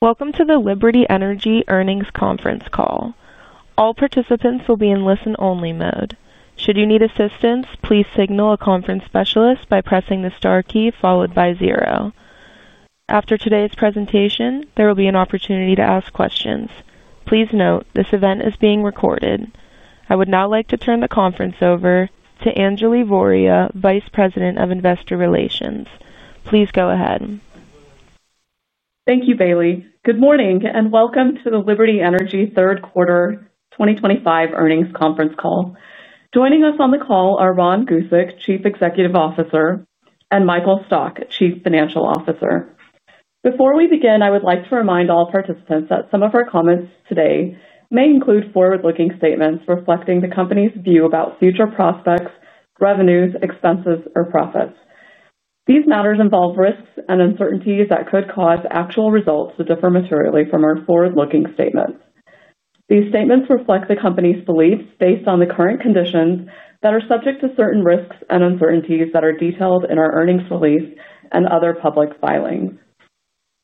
Welcome to the Liberty Energy earnings conference call. All participants will be in listen-only mode. Should you need assistance, please signal a conference specialist by pressing the star key followed by zero. After today's presentation, there will be an opportunity to ask questions. Please note, this event is being recorded. I would now like to turn the conference over to Anjali Voria, Vice President of Investor Relations. Please go ahead. Thank you, Bailey. Good morning and welcome to the Liberty Energy third quarter 2025 earnings conference call. Joining us on the call are Ron Gusek, Chief Executive Officer, and Michael Stock, Chief Financial Officer. Before we begin, I would like to remind all participants that some of our comments today may include forward-looking statements reflecting the company's view about future prospects, revenues, expenses, or profits. These matters involve risks and uncertainties that could cause actual results to differ materially from our forward-looking statements. These statements reflect the company's beliefs based on the current conditions that are subject to certain risks and uncertainties that are detailed in our earnings release and other public filings.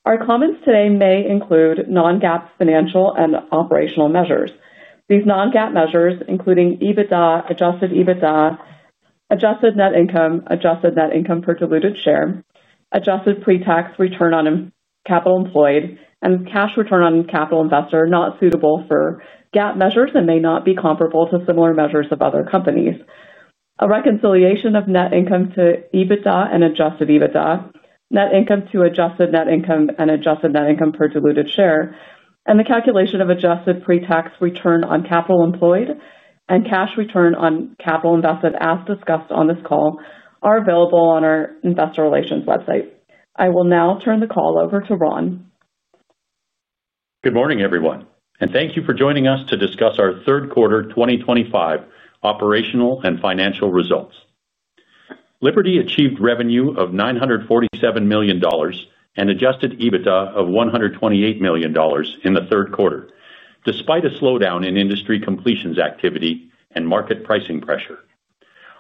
Our comments today may include non-GAAP financial and operational measures. These non-GAAP measures, including EBITDA, adjusted EBITDA, adjusted net income, adjusted net income per diluted share, adjusted pre-tax return on capital employed, and cash return on capital invested, are not suitable for GAAP measures and may not be comparable to similar measures of other companies. A reconciliation of net income to EBITDA and adjusted EBITDA, net income to adjusted net income and adjusted net income per diluted share, and the calculation of adjusted pre-tax return on capital employed and cash return on capital invested, as discussed on this call, are available on our Investor Relations website. I will now turn the call over to Ron. Good morning, everyone, and thank you for joining us to discuss our third quarter 2025 operational and financial results. Liberty achieved revenue of $947 million and adjusted EBITDA of $128 million in the third quarter, despite a slowdown in industry completions activity and market pricing pressure.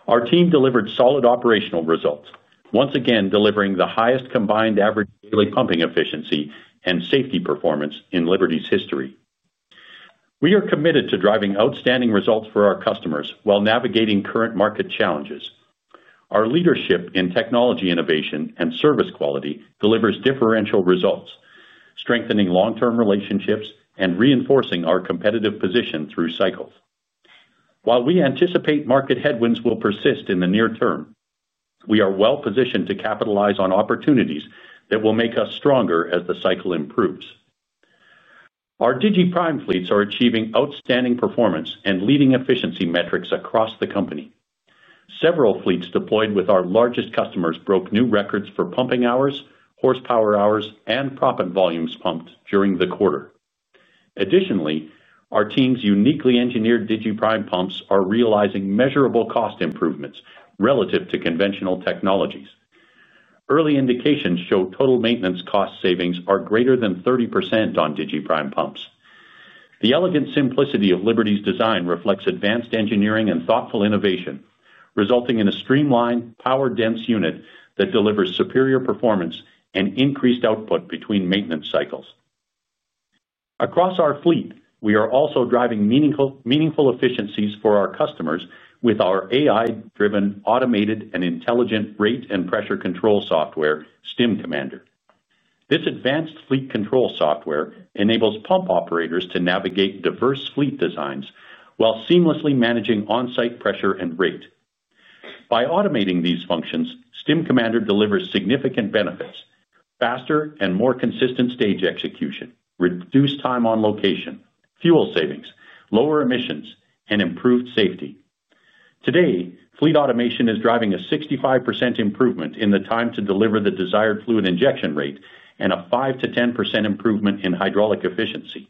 Our team delivered solid operational results, once again delivering the highest combined average daily pumping efficiency and safety performance in Liberty's history. We are committed to driving outstanding results for our customers while navigating current market challenges. Our leadership in technology innovation and service quality delivers differential results, strengthening long-term relationships and reinforcing our competitive position through cycles. While we anticipate market headwinds will persist in the near term, we are well positioned to capitalize on opportunities that will make us stronger as the cycle improves. Our digiPrime fleets are achieving outstanding performance and leading efficiency metrics across the company. Several fleets deployed with our largest customers broke new records for pumping hours, horsepower hours, and proppant volumes pumped during the quarter. Additionally, our team's uniquely engineered digiPrime pumps are realizing measurable cost improvements relative to conventional technologies. Early indications show total maintenance cost savings are greater than 30% on digiPrime pumps. The elegant simplicity of Liberty's design reflects advanced engineering and thoughtful innovation, resulting in a streamlined, power-dense unit that delivers superior performance and increased output between maintenance cycles. Across our fleet, we are also driving meaningful efficiencies for our customers with our AI-driven, automated, and intelligent rate and pressure control software, StimCommander. This advanced fleet control software enables pump operators to navigate diverse fleet designs while seamlessly managing on-site pressure and rate. By automating these functions, StimCommander delivers significant benefits: faster and more consistent stage execution, reduced time on location, fuel savings, lower emissions, and improved safety. Today, fleet automation is driving a 65% improvement in the time to deliver the desired fluid injection rate and a 5%-10% improvement in hydraulic efficiency.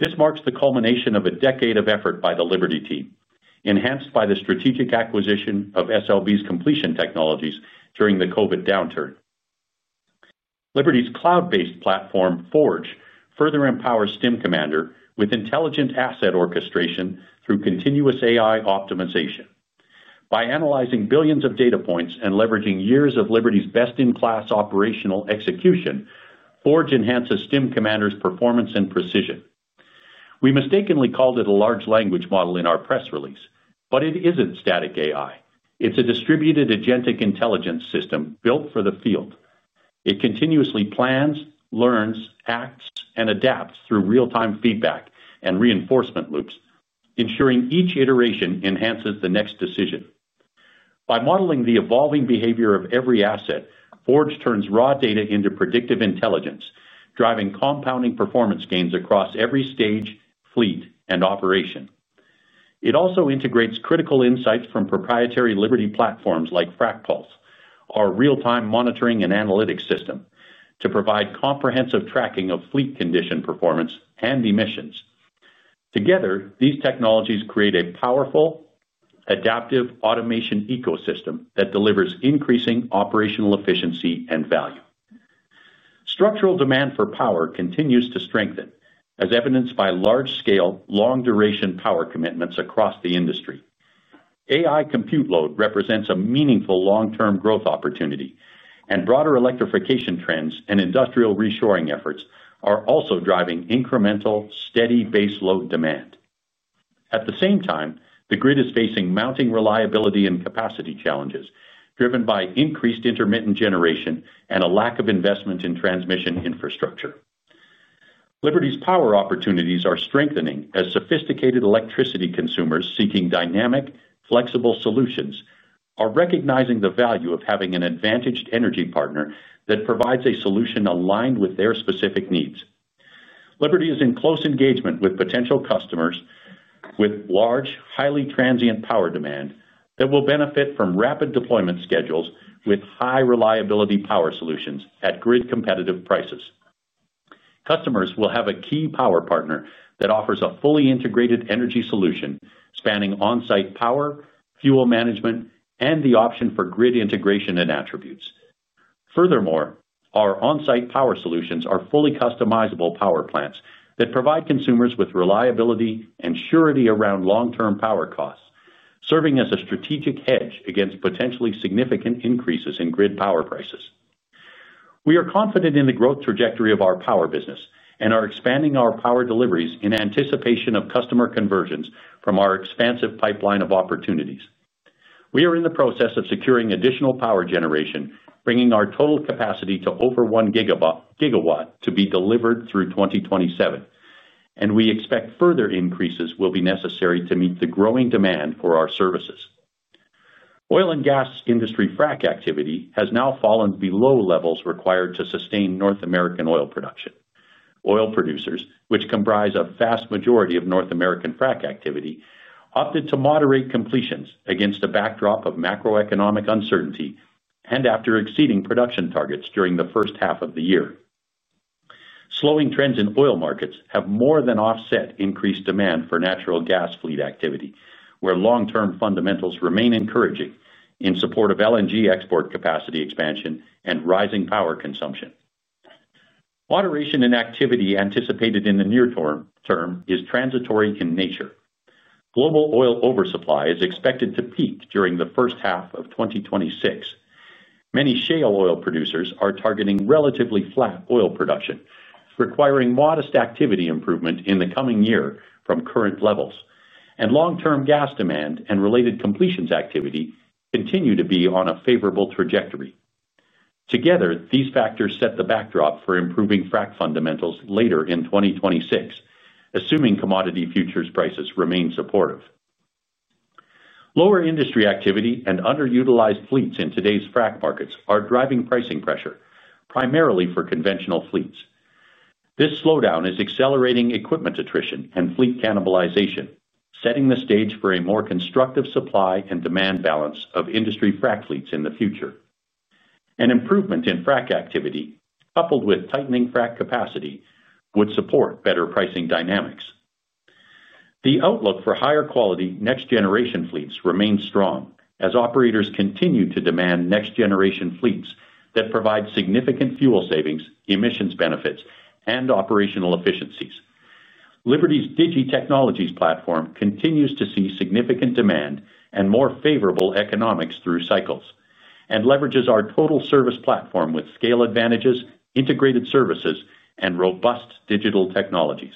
This marks the culmination of a decade of effort by the Liberty team, enhanced by the strategic acquisition of SLB's completion technologies during the COVID downturn. Liberty's cloud-based platform, Forge, further empowers StimCommander with intelligent asset orchestration through continuous AI optimization. By analyzing billions of data points and leveraging years of Liberty's best-in-class operational execution, Forge enhances StimCommander's performance and precision. We mistakenly called it a large language model in our press release, but it isn't static AI. It's a distributed agentic intelligence system built for the field. It continuously plans, learns, acts, and adapts through real-time feedback and reinforcement loops, ensuring each iteration enhances the next decision. By modeling the evolving behavior of every asset, Forge turns raw data into predictive intelligence, driving compounding performance gains across every stage, fleet, and operation. It also integrates critical insights from proprietary Liberty platforms like Fractals, our real-time monitoring and analytics system, to provide comprehensive tracking of fleet condition, performance, and emissions. Together, these technologies create a powerful, adaptive automation ecosystem that delivers increasing operational efficiency and value. Structural demand for power continues to strengthen, as evidenced by large-scale, long-duration power commitments across the industry. AI compute load represents a meaningful long-term growth opportunity, and broader electrification trends and industrial reshoring efforts are also driving incremental, steady base load demand. At the same time, the grid is facing mounting reliability and capacity challenges, driven by increased intermittent generation and a lack of investment in transmission infrastructure. Liberty's power opportunities are strengthening as sophisticated electricity consumers seeking dynamic, flexible solutions are recognizing the value of having an advantaged energy partner that provides a solution aligned with their specific needs. Liberty is in close engagement with potential customers with large, highly transient power demand that will benefit from rapid deployment schedules with high-reliability power solutions at grid-competitive prices. Customers will have a key power partner that offers a fully integrated energy solution spanning on-site power, fuel management, and the option for grid integration and attributes. Furthermore, our on-site power solutions are fully customizable power plants that provide consumers with reliability and surety around long-term power costs, serving as a strategic hedge against potentially significant increases in grid power prices. We are confident in the growth trajectory of our power business and are expanding our power deliveries in anticipation of customer conversions from our expansive pipeline of opportunities. We are in the process of securing additional power generation, bringing our total capacity to over one gigawatt to be delivered through 2027, and we expect further increases will be necessary to meet the growing demand for our services. Oil and gas industry frac activity has now fallen below levels required to sustain North American oil production. Oil producers, which comprise a vast majority of North American frac activity, opted to moderate completions against a backdrop of macroeconomic uncertainty and after exceeding production targets during the first half of the year. Slowing trends in oil markets have more than offset increased demand for natural gas fleet activity, where long-term fundamentals remain encouraging in support of LNG export capacity expansion and rising power consumption. Moderation in activity anticipated in the near term is transitory in nature. Global oil oversupply is expected to peak during the first half of 2026. Many shale oil producers are targeting relatively flat oil production, requiring modest activity improvement in the coming year from current levels, and long-term gas demand and related completions activity continue to be on a favorable trajectory. Together, these factors set the backdrop for improving frac fundamentals later in 2026, assuming commodity futures prices remain supportive. Lower industry activity and underutilized fleets in today's frac markets are driving pricing pressure, primarily for conventional fleets. This slowdown is accelerating equipment attrition and fleet cannibalization, setting the stage for a more constructive supply and demand balance of industry frac fleets in the future. An improvement in frac activity, coupled with tightening frac capacity, would support better pricing dynamics. The outlook for higher quality next-generation fleets remains strong as operators continue to demand next-generation fleets that provide significant fuel savings, emissions benefits, and operational efficiencies. Liberty's digiPrime platform continues to see significant demand and more favorable economics through cycles and leverages our total service platform with scale advantages, integrated services, and robust digital technologies.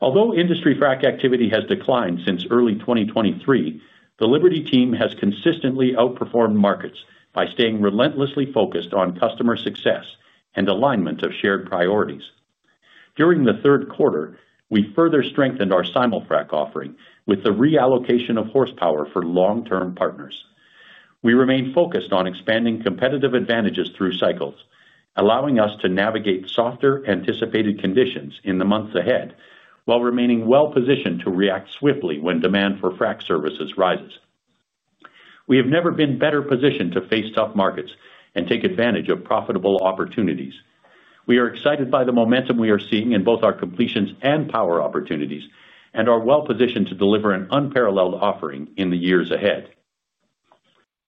Although industry frac activity has declined since early 2023, the Liberty team has consistently outperformed markets by staying relentlessly focused on customer success and alignment of shared priorities. During the third quarter, we further strengthened our simul frac offering with the reallocation of horsepower for long-term partners. We remain focused on expanding competitive advantages through cycles, allowing us to navigate softer anticipated conditions in the months ahead while remaining well-positioned to react swiftly when demand for frac services rises. We have never been better positioned to face tough markets and take advantage of profitable opportunities. We are excited by the momentum we are seeing in both our completions and power opportunities and are well-positioned to deliver an unparalleled offering in the years ahead.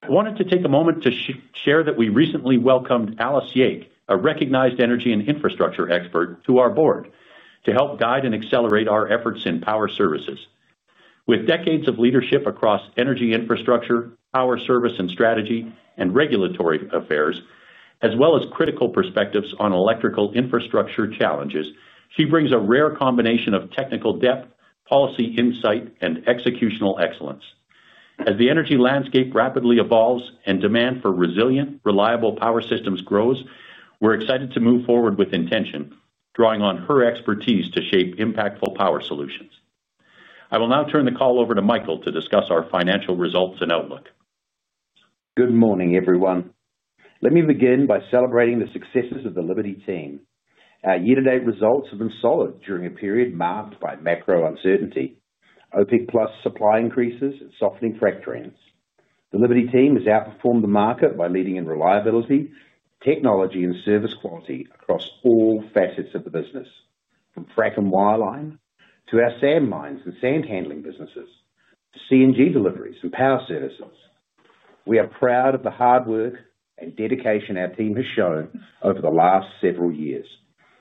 I wanted to take a moment to share that we recently welcomed Alice Yake, a recognized energy and infrastructure expert, to our board to help guide and accelerate our efforts in power services. With decades of leadership across energy infrastructure, power service and strategy, and regulatory affairs, as well as critical perspectives on electrical infrastructure challenges, she brings a rare combination of technical depth, policy insight, and executional excellence. As the energy landscape rapidly evolves and demand for resilient, reliable power systems grows, we're excited to move forward with intention, drawing on her expertise to shape impactful power solutions. I will now turn the call over to Michael to discuss our financial results and outlook. Good morning, everyone. Let me begin by celebrating the successes of the Liberty team. Our year-to-date results have been solid during a period marked by macro uncertainty, OPEC+ supply increases, and softening frac trends. The Liberty team has outperformed the market by leading in reliability, technology, and service quality across all facets of the business, from frac and wireline to our sand mines and sand handling businesses to CNG deliveries and power services. We are proud of the hard work and dedication our team has shown over the last several years,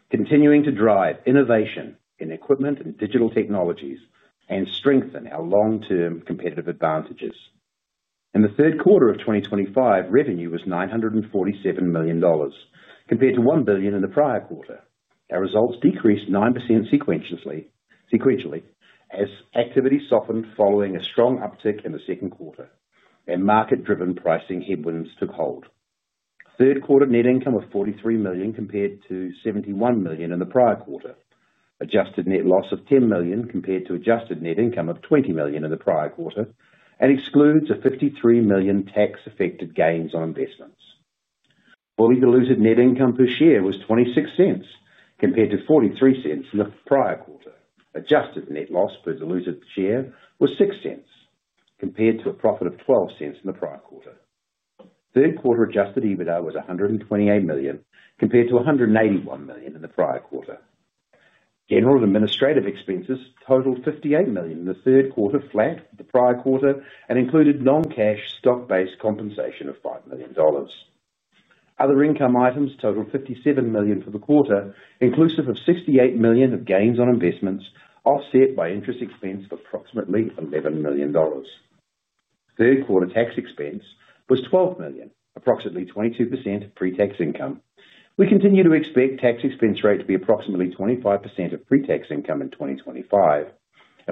continuing to drive innovation in equipment and digital technologies and strengthen our long-term competitive advantages. In the third quarter of 2025, revenue was $947 million, compared to $1 billion in the prior quarter. Our results decreased 9% sequentially as activity softened following a strong uptick in the second quarter, and market-driven pricing headwinds took hold. Third quarter net income of $43 million compared to $71 million in the prior quarter, adjusted net loss of $10 million compared to adjusted net income of $20 million in the prior quarter, and excludes a $53 million tax-affected gains on investments. Fully diluted net income per share was $0.26 compared to $0.43 in the prior quarter. Adjusted net loss per diluted share was $0.06 compared to a profit of $0.12 in the prior quarter. Third quarter adjusted EBITDA was $128 million compared to $181 million in the prior quarter. General and administrative expenses totaled $58 million in the third quarter, flat with the prior quarter, and included non-cash stock-based compensation of $5 million. Other income items totaled $57 million for the quarter, inclusive of $68 million of gains on investments offset by interest expense of approximately $11 million. Third quarter tax expense was $12 million, approximately 22% of pre-tax income. We continue to expect tax expense rate to be approximately 25% of pre-tax income in 2025.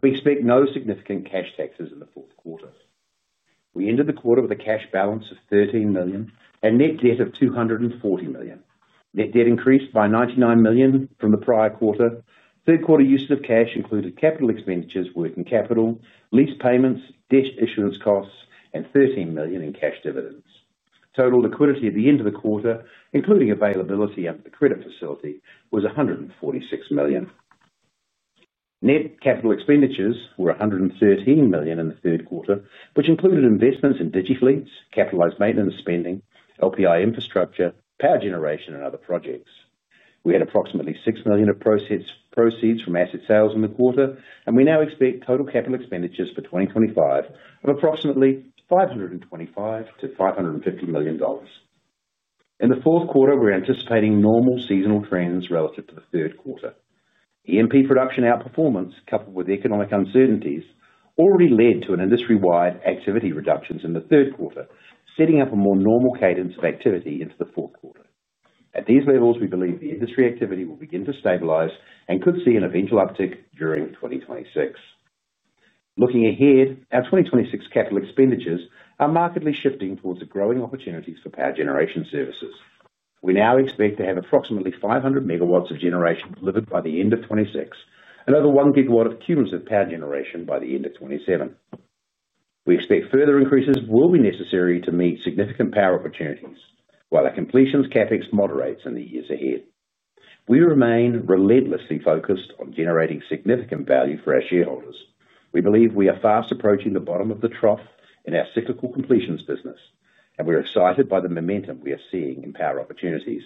We expect no significant cash taxes in the fourth quarter. We ended the quarter with a cash balance of $13 million and net debt of $240 million. Net debt increased by $99 million from the prior quarter. Third quarter usage of cash included capital expenditures, working capital, lease payments, debt issuance costs, and $13 million in cash dividends. Total liquidity at the end of the quarter, including availability under the credit facility, was $146 million. Net capital expenditures were $113 million in the third quarter, which included investments in digiFleet, capitalized maintenance spending, LPI infrastructure, power generation, and other projects. We had approximately $6 million of proceeds from asset sales in the quarter, and we now expect total capital expenditures for 2025 of approximately $525 million-$550 million. In the fourth quarter, we're anticipating normal seasonal trends relative to the third quarter. E&P production outperformance, coupled with economic uncertainties, already led to an industry-wide activity reduction in the third quarter, setting up a more normal cadence of activity into the fourth quarter. At these levels, we believe the industry activity will begin to stabilize and could see an eventual uptick during 2026. Looking ahead, our 2026 capital expenditures are markedly shifting towards growing opportunities for power generation services. We now expect to have approximately 500 MW of generation delivered by the end of 2026 and over one gigawatt of cumulative power generation by the end of 2027. We expect further increases will be necessary to meet significant power opportunities while our completions CapEx moderates in the years ahead. We remain relentlessly focused on generating significant value for our shareholders. We believe we are fast approaching the bottom of the trough in our cyclical completions business, and we're excited by the momentum we are seeing in power opportunities.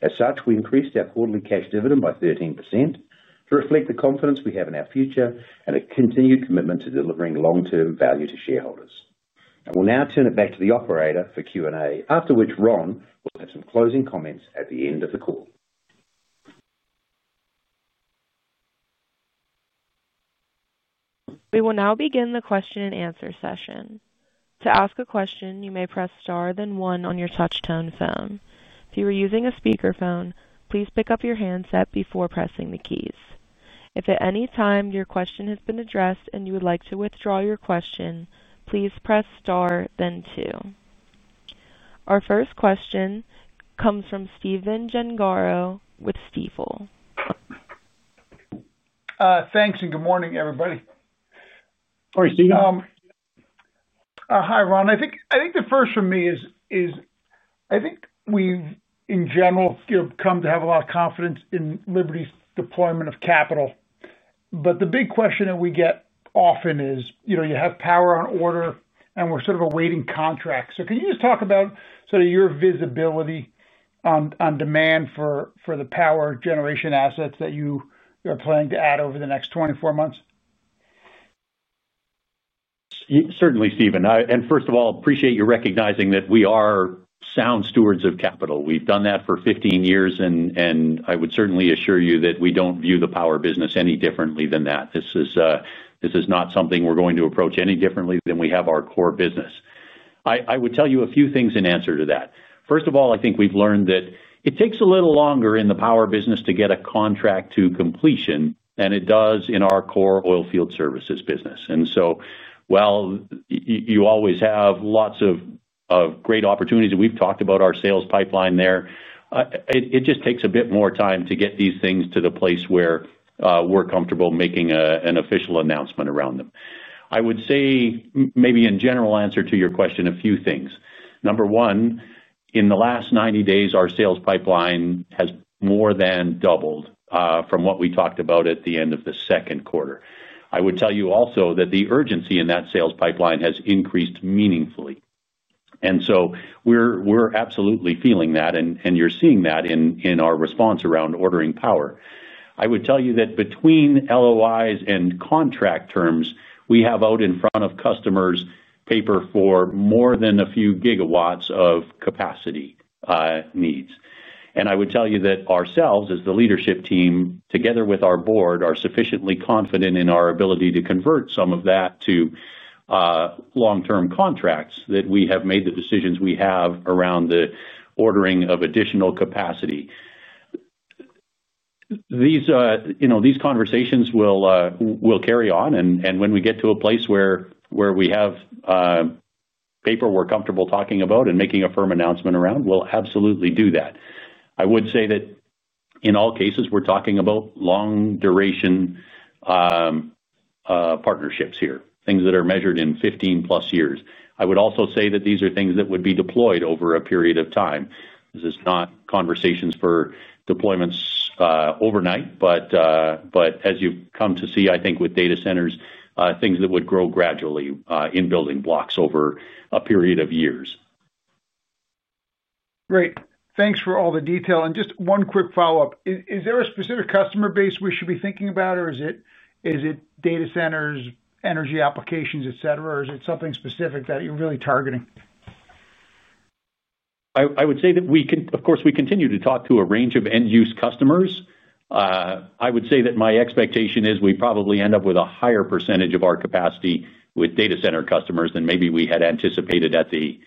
As such, we increased our quarterly cash dividend by 13% to reflect the confidence we have in our future and a continued commitment to delivering long-term value to shareholders. We'll now turn it back to the operator for Q&A, after which Ron will have some closing comments at the end of the call. We will now begin the question-and-answer session. To ask a question, you may press star, then one on your touch-tone phone. If you are using a speaker phone, please pick up your handset before pressing the keys. If at any time your question has been addressed and you would like to withdraw your question, please press star, then two. Our first question comes from Stephen Gengaro with Stifel. Thanks, and good morning, everybody. All right, Stephen. Hi, Ron. I think the first for me is I think we've, in general, come to have a lot of confidence in Liberty's deployment of capital. The big question that we get often is, you know, you have power on order, and we're sort of awaiting contracts. Can you just talk about your visibility on demand for the power generation assets that you are planning to add over the next 24 months? Certainly, Stephen. First of all, I appreciate you recognizing that we are sound stewards of capital. We've done that for 15 years, and I would certainly assure you that we don't view the power business any differently than that. This is not something we're going to approach any differently than we have our core business. I would tell you a few things in answer to that. First of all, I think we've learned that it takes a little longer in the power business to get a contract to completion than it does in our core oilfield services business. While you always have lots of great opportunities, and we've talked about our sales pipeline there, it just takes a bit more time to get these things to the place where we're comfortable making an official announcement around them. I would say, maybe in general answer to your question, a few things. Number one, in the last 90 days, our sales pipeline has more than doubled from what we talked about at the end of the second quarter. I would tell you also that the urgency in that sales pipeline has increased meaningfully. We're absolutely feeling that, and you're seeing that in our response around ordering power. I would tell you that between LOIs and contract terms, we have out in front of customers paper for more than a few gigawatts of capacity needs. I would tell you that ourselves, as the leadership team, together with our board, are sufficiently confident in our ability to convert some of that to long-term contracts that we have made the decisions we have around the ordering of additional capacity. These conversations will carry on, and when we get to a place where we have paper we're comfortable talking about and making a firm announcement around, we'll absolutely do that. I would say that in all cases, we're talking about long-duration partnerships here, things that are measured in 15+ years. I would also say that these are things that would be deployed over a period of time. This is not conversations for deployments overnight, but as you've come to see, I think with data centers, things that would grow gradually in building blocks over a period of years. Great. Thanks for all the detail. Just one quick follow-up. Is there a specific customer base we should be thinking about, or is it data centers, energy applications, etc., or is it something specific that you're really targeting? I would say that we can, of course, we continue to talk to a range of end-use customers. I would say that my expectation is we probably end up with a higher percentage of our capacity with data center customers than maybe we had anticipated at the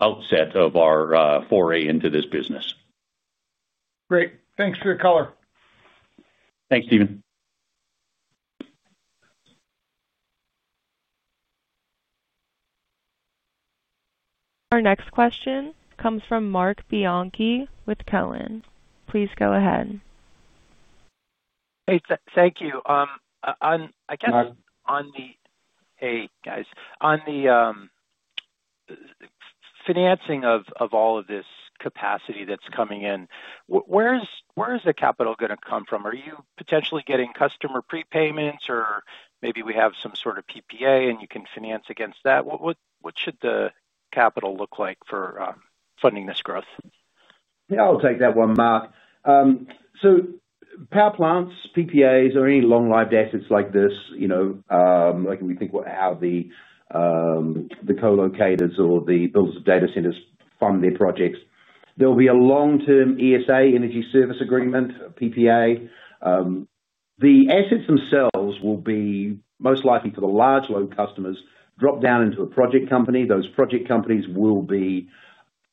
outset of our foray into this business. Great. Thanks for the color. Thanks, Stephen. Our next question comes from Marc Bianchi with Cowen. Please go ahead. Hey, thank you. I guess on the financing of all of this capacity that's coming in, where is the capital going to come from? Are you potentially getting customer prepayments, or maybe we have some sort of PPA and you can finance against that? What should the capital look like for funding this growth? Yeah, I'll take that one, Marc. Power plants, PPAs, or any long-lived assets like this, you know, like we think about how the co-locators or the builders of data centers fund their projects, there will be a long-term ESA, Energy Services Agreement, PPA. The assets themselves will be most likely for the large load customers dropped down into a project company. Those project companies will be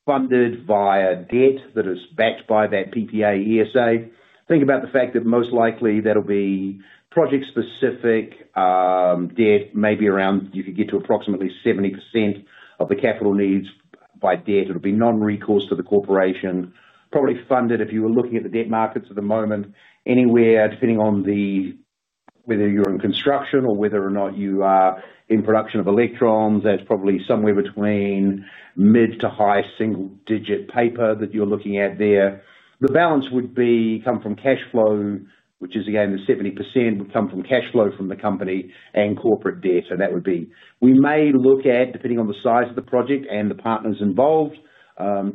funded via debt that is backed by that PPA or ESA. Think about the fact that most likely that'll be project-specific debt, maybe around you could get to approximately 70% of the capital needs by debt. It'll be non-recourse to the corporation, probably funded, if you were looking at the debt markets at the moment, anywhere depending on whether you're in construction or whether or not you are in production of electrons. That's probably somewhere between mid to high single-digit paper that you're looking at there. The balance would come from cash flow, which is, again, the 70% would come from cash flow from the company and corporate debt. We may look at, depending on the size of the project and the partners involved,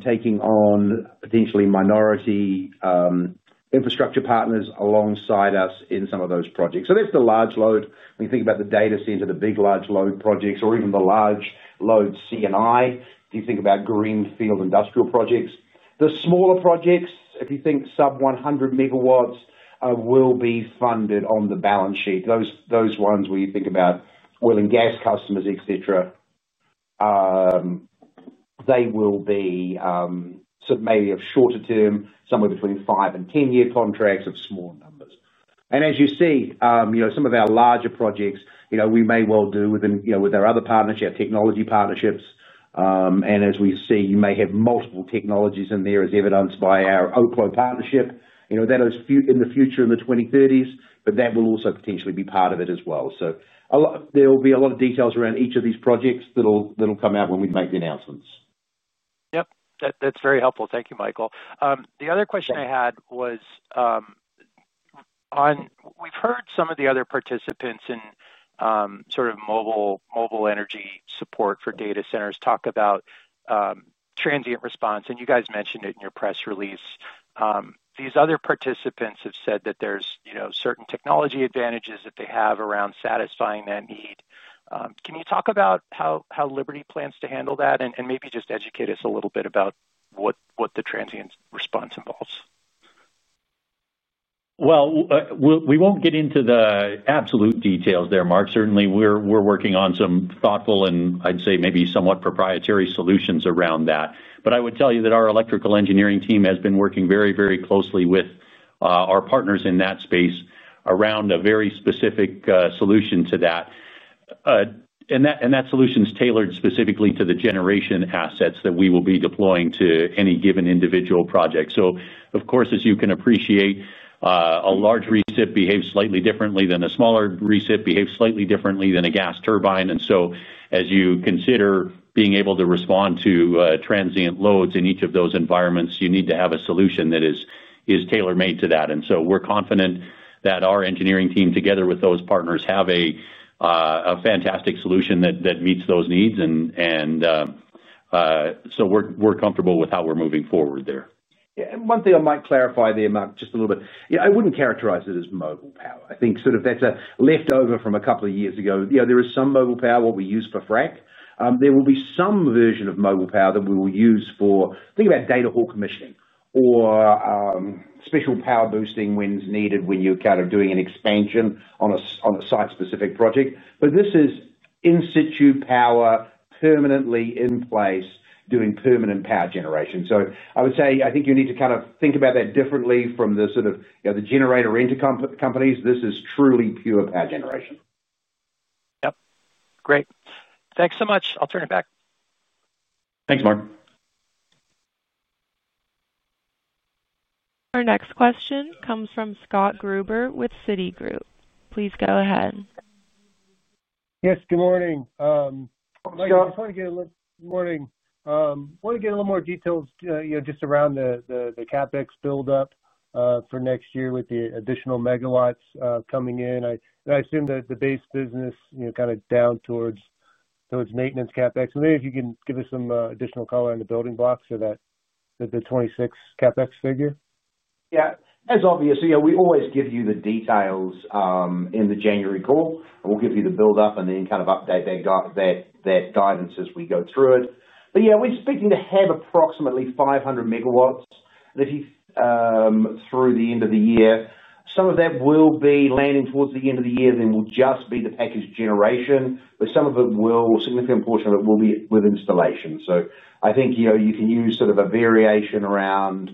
taking on potentially minority infrastructure partners alongside us in some of those projects. That's the large load. When you think about the data center, the big large load projects, or even the large load C&I, if you think about greenfield industrial projects. The smaller projects, if you think sub-100 MW, will be funded on the balance sheet. Those ones where you think about oil and gas customers, etc., they will be sort of maybe of shorter term, somewhere between 5 and 10-year contracts of small numbers. As you see, some of our larger projects, we may well do within our other partnership, technology partnerships. As we see, you may have multiple technologies in there, as evidenced by our Oklo partnership. That is in the future in the 2030s, but that will also potentially be part of it as well. There will be a lot of details around each of these projects that'll come out when we make the announcements. Yep. That's very helpful. Thank you, Michael. The other question I had was, we've heard some of the other participants in sort of mobile energy support for data centers talk about transient response, and you guys mentioned it in your press release. These other participants have said that there's, you know, certain technology advantages that they have around satisfying that need. Can you talk about how Liberty plans to handle that and maybe just educate us a little bit about what the transient response involves? Certainly, we're working on some thoughtful and I'd say maybe somewhat proprietary solutions around that. I would tell you that our electrical engineering team has been working very, very closely with our partners in that space around a very specific solution to that. That solution's tailored specifically to the generation assets that we will be deploying to any given individual project. Of course, as you can appreciate, a large recip behaves slightly differently than a smaller recip, behaves slightly differently than a gas turbine. As you consider being able to respond to transient loads in each of those environments, you need to have a solution that is tailor-made to that. We're confident that our engineering team, together with those partners, have a fantastic solution that meets those needs. We're comfortable with how we're moving forward there. Yeah, one thing I might clarify there, Marc, just a little bit. I wouldn't characterize it as mobile power. I think that's sort of a leftover from a couple of years ago. There is some mobile power, what we use for frac. There will be some version of mobile power that we will use for, think about data hall commissioning or special power boosting when needed, when you're kind of doing an expansion on a site-specific project. This is in-situ power, permanently in place, doing permanent power generation. I would say I think you need to kind of think about that differently from the sort of the generator intercom companies. This is truly pure power generation. Great, thanks so much. I'll turn it back. Thanks, Marc. Our next question comes from Scott Gruber with Citigroup. Please go ahead. Good morning. I want to get a little more details just around the CapEx buildup for next year with the additional MW coming in. I assume that the base business is kind of down towards maintenance CapEx, and maybe if you can give us some additional color on the building blocks for that 2026 CapEx figure. Yeah. As obvious, we always give you the details in the January call, and we'll give you the buildup and then kind of update that guidance as we go through it. We're expecting to have approximately 500 MW through the end of the year. Some of that will be landing towards the end of the year, which will just be the package generation, but a significant portion of it will be with installation. I think you can use sort of a variation around,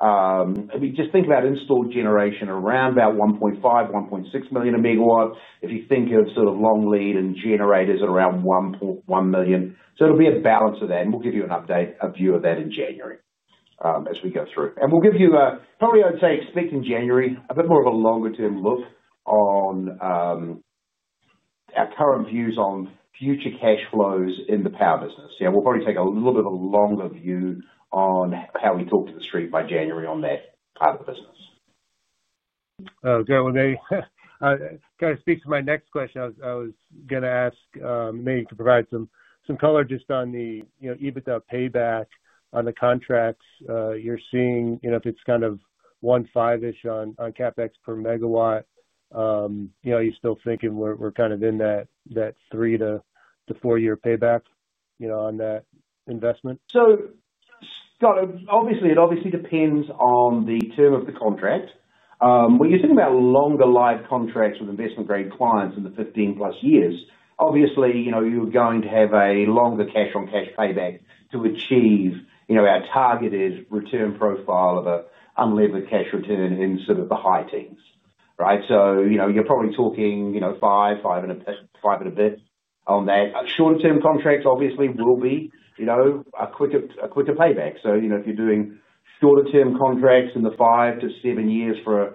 maybe just think about installed generation around about $1.5 million, $1.6 million a megawatt if you think of sort of long lead and generators at around $1.1 million. It'll be a balance of that, and we'll give you an updated view of that in January as we go through. We'll probably, I'd say, expect in January a bit more of a longer-term look on our current views on future cash flows in the power business. We'll probably take a little bit of a longer view on how we talk to the street by January on that part of the business. Going to speak to my next question. I was going to ask maybe to provide some color just on the EBITDA payback on the contracts. You're seeing, you know, if it's kind of $1.5 million-ish on CapEx per megawatt, you know, are you still thinking we're kind of in that three to four-year payback, you know, on that investment? Scott, it obviously depends on the term of the contract. When you're talking about longer live contracts with investment-grade clients in the 15+ years, you're going to have a longer cash-on-cash payback to achieve our targeted return profile of an unlevered cash return in sort of the high teens, right? You're probably talking five, five and a bit, five and a bit on that. Shorter-term contracts will be a quicker payback. If you're doing shorter-term contracts in the five to seven years for a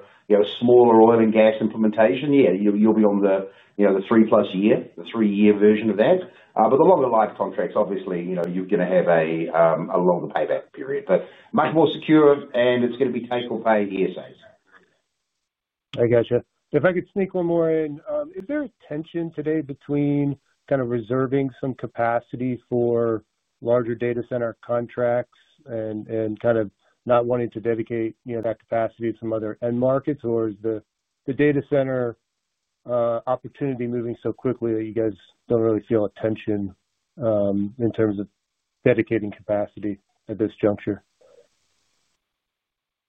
smaller oil and gas implementation, you'll be on the three-plus year, the three-year version of that. The longer life contracts, you're going to have a longer payback period. Much more secure, and it's going to be take-home pay ESAs. I gotcha. If I could sneak one more in, is there a tension today between kind of reserving some capacity for larger data center contracts and kind of not wanting to dedicate, you know, that capacity to some other end markets, or is the data center opportunity moving so quickly that you guys don't really feel a tension, in terms of dedicating capacity at this juncture?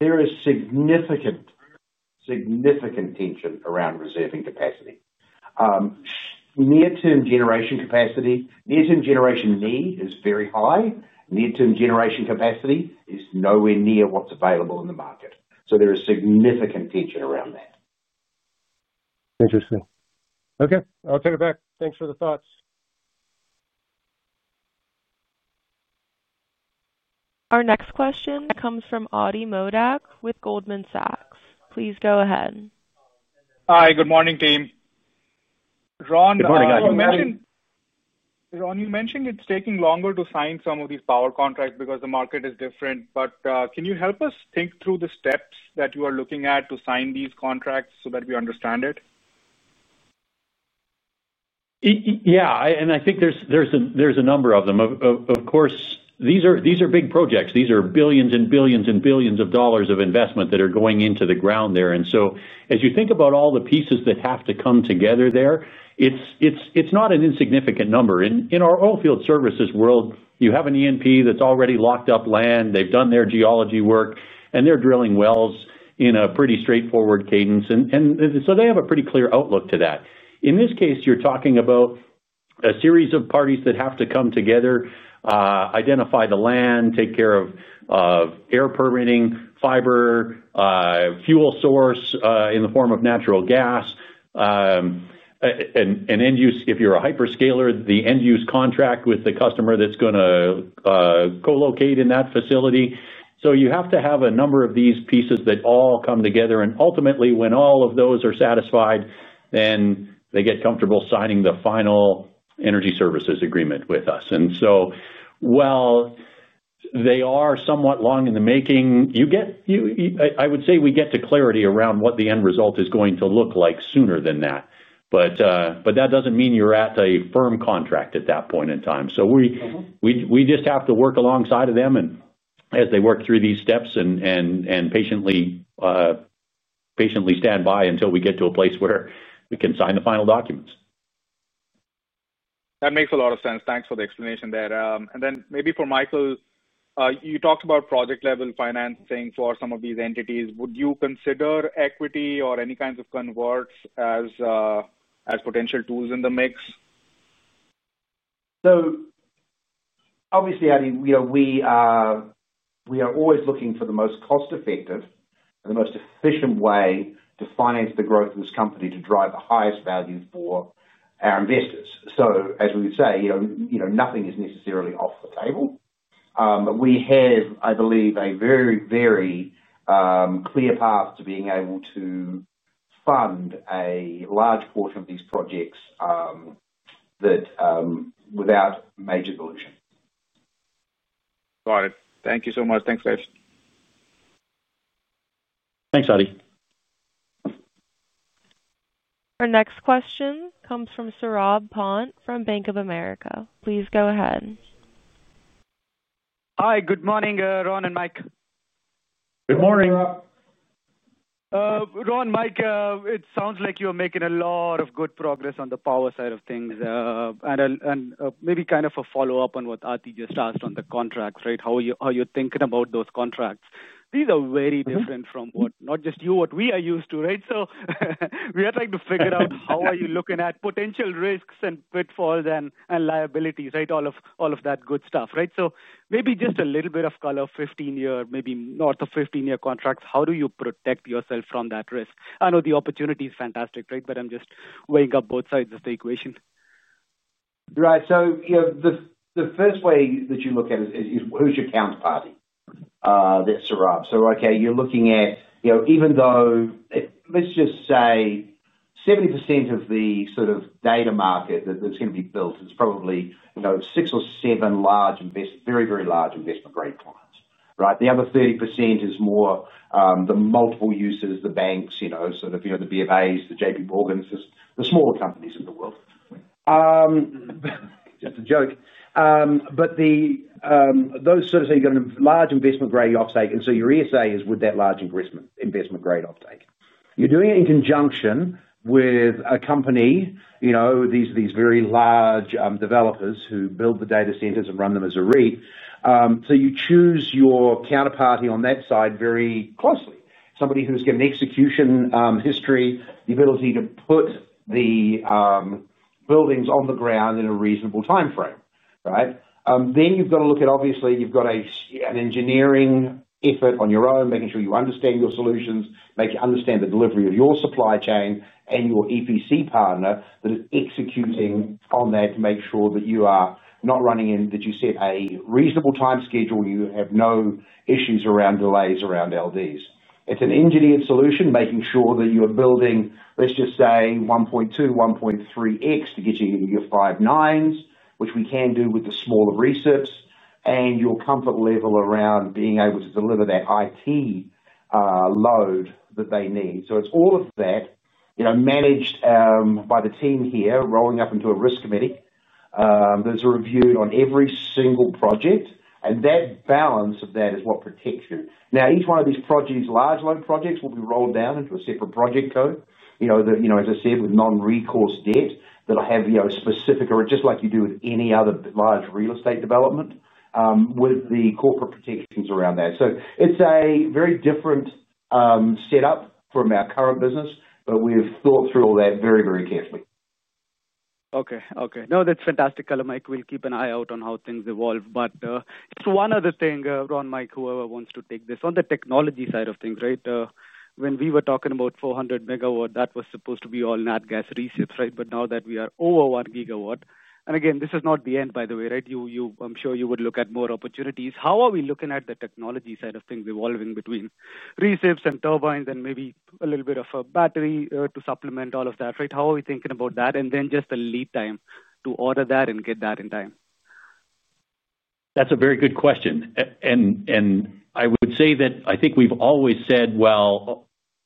There is significant, significant tension around reserving capacity. Near-term generation capacity, near-term generation need is very high. Near-term generation capacity is nowhere near what's available in the market. There is significant tension around that. Interesting. Okay, I'll take it back. Thanks for the thoughts. Our next question comes from Adi Modak with Goldman Sachs. Please go ahead. Hi. Good morning, team. Good morning. Ron, you mentioned it's taking longer to sign some of these power contracts because the market is different. Can you help us think through the steps that you are looking at to sign these contracts so that we understand it? Yeah. I think there's a number of them. Of course, these are big projects. These are billions and billions and billions of dollars of investment that are going into the ground there. As you think about all the pieces that have to come together there, it's not an insignificant number. In our oilfield services world, you have an E&P that's already locked up land. They've done their geology work, and they're drilling wells in a pretty straightforward cadence. They have a pretty clear outlook to that. In this case, you're talking about a series of parties that have to come together, identify the land, take care of air permitting, fiber, fuel source in the form of natural gas, and end use. If you're a hyperscaler, the end-use contract with the customer that's going to co-locate in that facility. You have to have a number of these pieces that all come together. Ultimately, when all of those are satisfied, then they get comfortable signing the final energy services agreement with us. While they are somewhat long in the making, I would say we get to clarity around what the end result is going to look like sooner than that. That doesn't mean you're at a firm contract at that point in time. We just have to work alongside of them as they work through these steps and patiently stand by until we get to a place where we can sign the final documents. That makes a lot of sense. Thanks for the explanation there. Maybe for Michael, you talked about project-level financing for some of these entities. Would you consider equity or any kinds of converts as potential tools in the mix? Obviously, Adi, we are always looking for the most cost-effective and the most efficient way to finance the growth of this company to drive the highest value for our investors. As we would say, nothing is necessarily off the table. We have, I believe, a very, very clear path to being able to fund a large portion of these projects without major dilution. Got it. Thank you so much. Thanks, guys. Thanks, Adi. Our next question comes from Saurabh Pant from Bank of America. Please go ahead. Hi. Good morning, Ron and Mike. Good morning. Good morning. Ron, Mike, it sounds like you're making a lot of good progress on the power side of things. Maybe kind of a follow-up on what Adi just asked on the contracts, right? How you're thinking about those contracts. These are very different from what not just you, what we are used to, right? We are trying to figure out how are you looking at potential risks and pitfalls and liabilities, right? All of that good stuff, right? Maybe just a little bit of color, 15-year, maybe north of 15-year contracts. How do you protect yourself from that risk? I know the opportunity is fantastic, right? I'm just weighing up both sides of the equation. Right. The first way that you look at it is who's your counterparty there, Saurabh? You're looking at, even though let's just say 70% of the sort of data market that's going to be built is probably six or seven very, very large investment-grade clients. The other 30% is more the multiple users, the banks, the BFAs, the JPMorgans, the smaller companies in the world. Just a joke. Those sort of things are going to be large investment-grade offtake, and your ESA is with that large investment-grade offtake. You're doing it in conjunction with a company, these very large developers who build the data centers and run them as a REIT. You choose your counterparty on that side very closely, somebody who's got an execution history, the ability to put the buildings on the ground in a reasonable timeframe. You've got to look at, obviously, you've got an engineering effort on your own, making sure you understand your solutions, make sure you understand the delivery of your supply chain and your EPC partner that is executing on that to make sure that you set a reasonable time schedule, you have no issues around delays around LDs. It's an engineered solution, making sure that you're building, let's just say, 1.2x, 1.3x to get you to your 5.9xs, which we can do with the smaller recips, and your comfort level around being able to deliver that IT load that they need. It's all of that, managed by the team here, rolling up into a risk committee that's reviewed on every single project. That balance of that is what protects you. Each one of these projects, these large load projects, will be rolled down into a separate project code, as I said, with non-recourse debt that will have specific, or just like you do with any other large real estate development, with the corporate protections around that. It's a very different setup from our current business, but we've thought through all that very, very carefully. Okay. Okay. No, that's fantastic, Kellan Mike. We'll keep an eye out on how things evolve. It's one other thing, Ron, Mike, whoever wants to take this on the technology side of things, right? When we were talking about 400 megawatt, that was supposed to be all natural gas recips, right? Now that we are over 1 gigawatt, and again, this is not the end, by the way, right? You, you, I'm sure you would look at more opportunities. How are we looking at the technology side of things evolving between recips and turbines and maybe a little bit of a battery to supplement all of that, right? How are we thinking about that? Just the lead time to order that and get that in time? That's a very good question. I would say that I think we've always said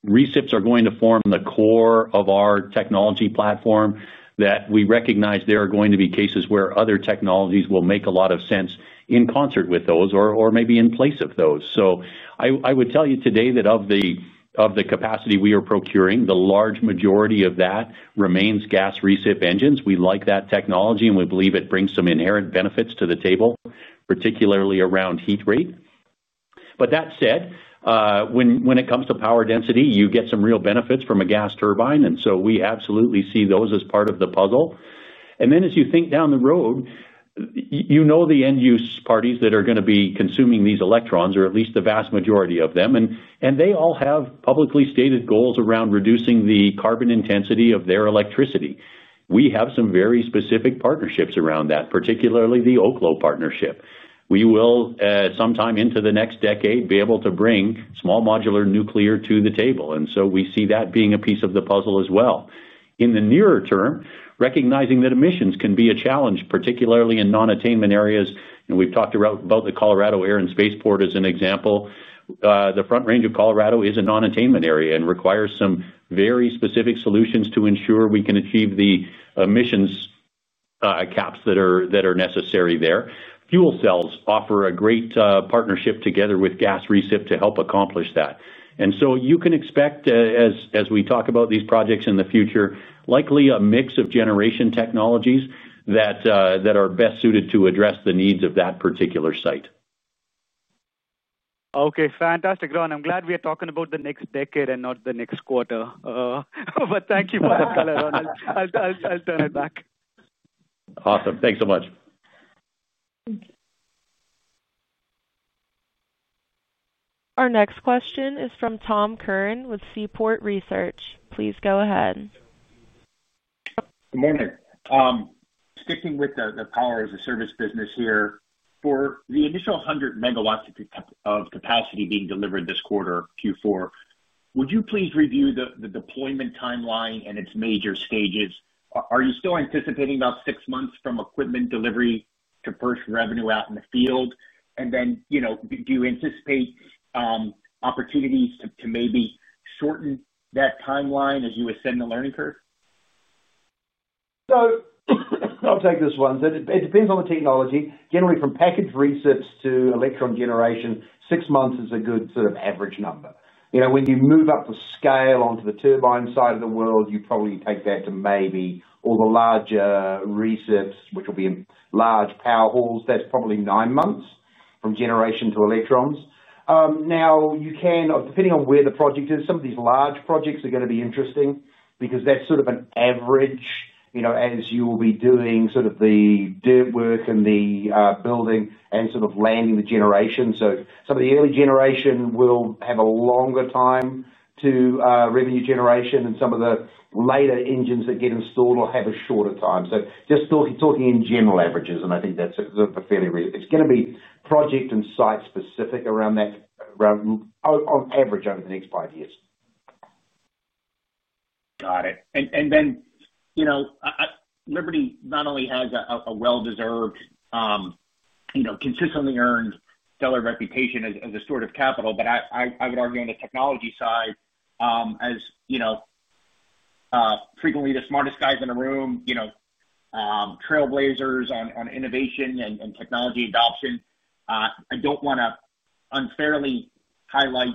recips are going to form the core of our technology platform, that we recognize there are going to be cases where other technologies will make a lot of sense in concert with those or maybe in place of those. I would tell you today that of the capacity we are procuring, the large majority of that remains gas reciprocating engines. We like that technology, and we believe it brings some inherent benefits to the table, particularly around heat rate. That said, when it comes to power density, you get some real benefits from a gas turbine. We absolutely see those as part of the puzzle. As you think down the road, you know the end-use parties that are going to be consuming these electrons, or at least the vast majority of them, and they all have publicly stated goals around reducing the carbon intensity of their electricity. We have some very specific partnerships around that, particularly the Oklo partnership. We will, sometime into the next decade, be able to bring small modular nuclear to the table. We see that being a piece of the puzzle as well. In the nearer term, recognizing that emissions can be a challenge, particularly in non-attainment areas. We've talked about the Colorado Air and Spaceport as an example. The Front Range of Colorado is a non-attainment area and requires some very specific solutions to ensure we can achieve the emissions caps that are necessary there. Fuel cells offer a great partnership together with gas reciprocating engines to help accomplish that. You can expect, as we talk about these projects in the future, likely a mix of generation technologies that are best suited to address the needs of that particular site. Okay. Fantastic, Ron. I'm glad we are talking about the next decade and not the next quarter. Thank you for the color, Ron. I'll turn it back. Awesome. Thanks so much. Our next question is from Tom Curran with Seaport Research. Please go ahead. Good morning. Sticking with the power as a service business here, for the initial 100 MW of capacity being delivered this quarter, Q4, would you please review the deployment timeline and its major stages? Are you still anticipating about six months from equipment delivery to first revenue out in the field? Do you anticipate opportunities to maybe shorten that timeline as you ascend the learning curve? It depends on the technology. Generally, from package recips to electron generation, six months is a good sort of average number. When you move up the scale onto the turbine side of the world, you probably take that to maybe all the larger recips, which will be large power halls. That's probably nine months from generation to electrons. Now, depending on where the project is, some of these large projects are going to be interesting because that's sort of an average, as you'll be doing the dirt work and the building and landing the generation. Some of the early generation will have a longer time to revenue generation, and some of the later engines that get installed will have a shorter time. Just talking in general averages, I think that's sort of a fairly reasonable, it's going to be project and site-specific around that, around on average over the next five years. Got it. Liberty not only has a well-deserved, consistently earned stellar reputation as a sort of capital, but I would argue on the technology side, frequently the smartest guys in the room, trailblazers on innovation and technology adoption. I don't want to unfairly highlight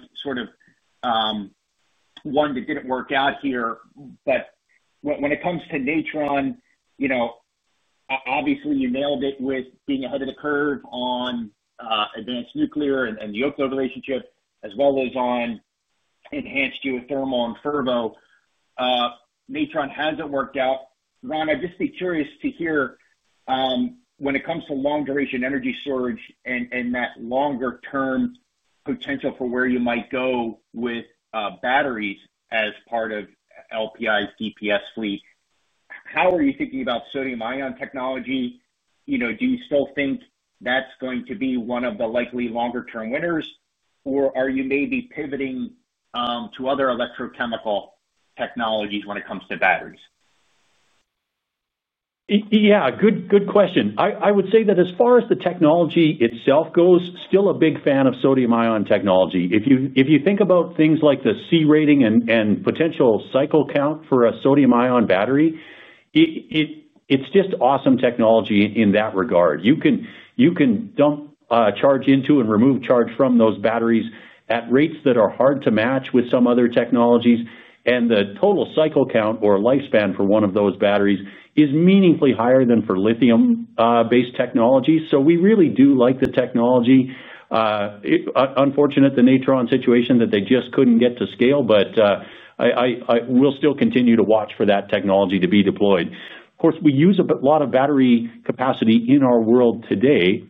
one that didn't work out here. When it comes to Natron, obviously, you nailed it with being ahead of the curve on advanced nuclear and the Oklo relationship, as well as on enhanced geothermal and Fervo. Natron hasn't worked out. Ron, I'd just be curious to hear when it comes to long-duration energy storage and that longer-term potential for where you might go with batteries as part of LPI's DPS fleet. How are you thinking about sodium ion technology? Do you still think that's going to be one of the likely longer-term winners, or are you maybe pivoting to other electrochemical technologies when it comes to batteries? Yeah, good question. I would say that as far as the technology itself goes, still a big fan of sodium ion technology. If you think about things like the C rating and potential cycle count for a sodium ion battery, it's just awesome technology in that regard. You can dump charge into and remove charge from those batteries at rates that are hard to match with some other technologies. The total cycle count or lifespan for one of those batteries is meaningfully higher than for lithium-based technologies. We really do like the technology. Unfortunate, the Natron situation that they just couldn't get to scale, but I will still continue to watch for that technology to be deployed. Of course, we use a lot of battery capacity in our world today.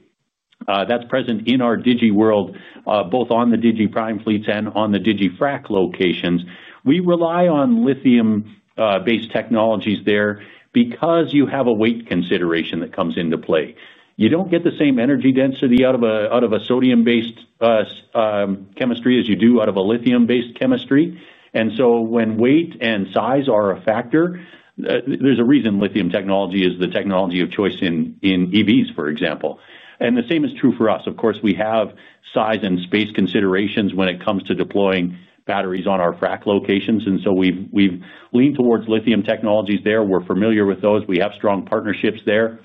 That's present in our digi world, both on the digiPrime fleets and on the digiFrac locations. We rely on lithium-based technologies there because you have a weight consideration that comes into play. You don't get the same energy density out of a sodium-based chemistry as you do out of a lithium-based chemistry. When weight and size are a factor, there's a reason lithium technology is the technology of choice in EVs, for example. The same is true for us. We have size and space considerations when it comes to deploying batteries on our frac locations. We've leaned towards lithium technologies there. We're familiar with those. We have strong partnerships there.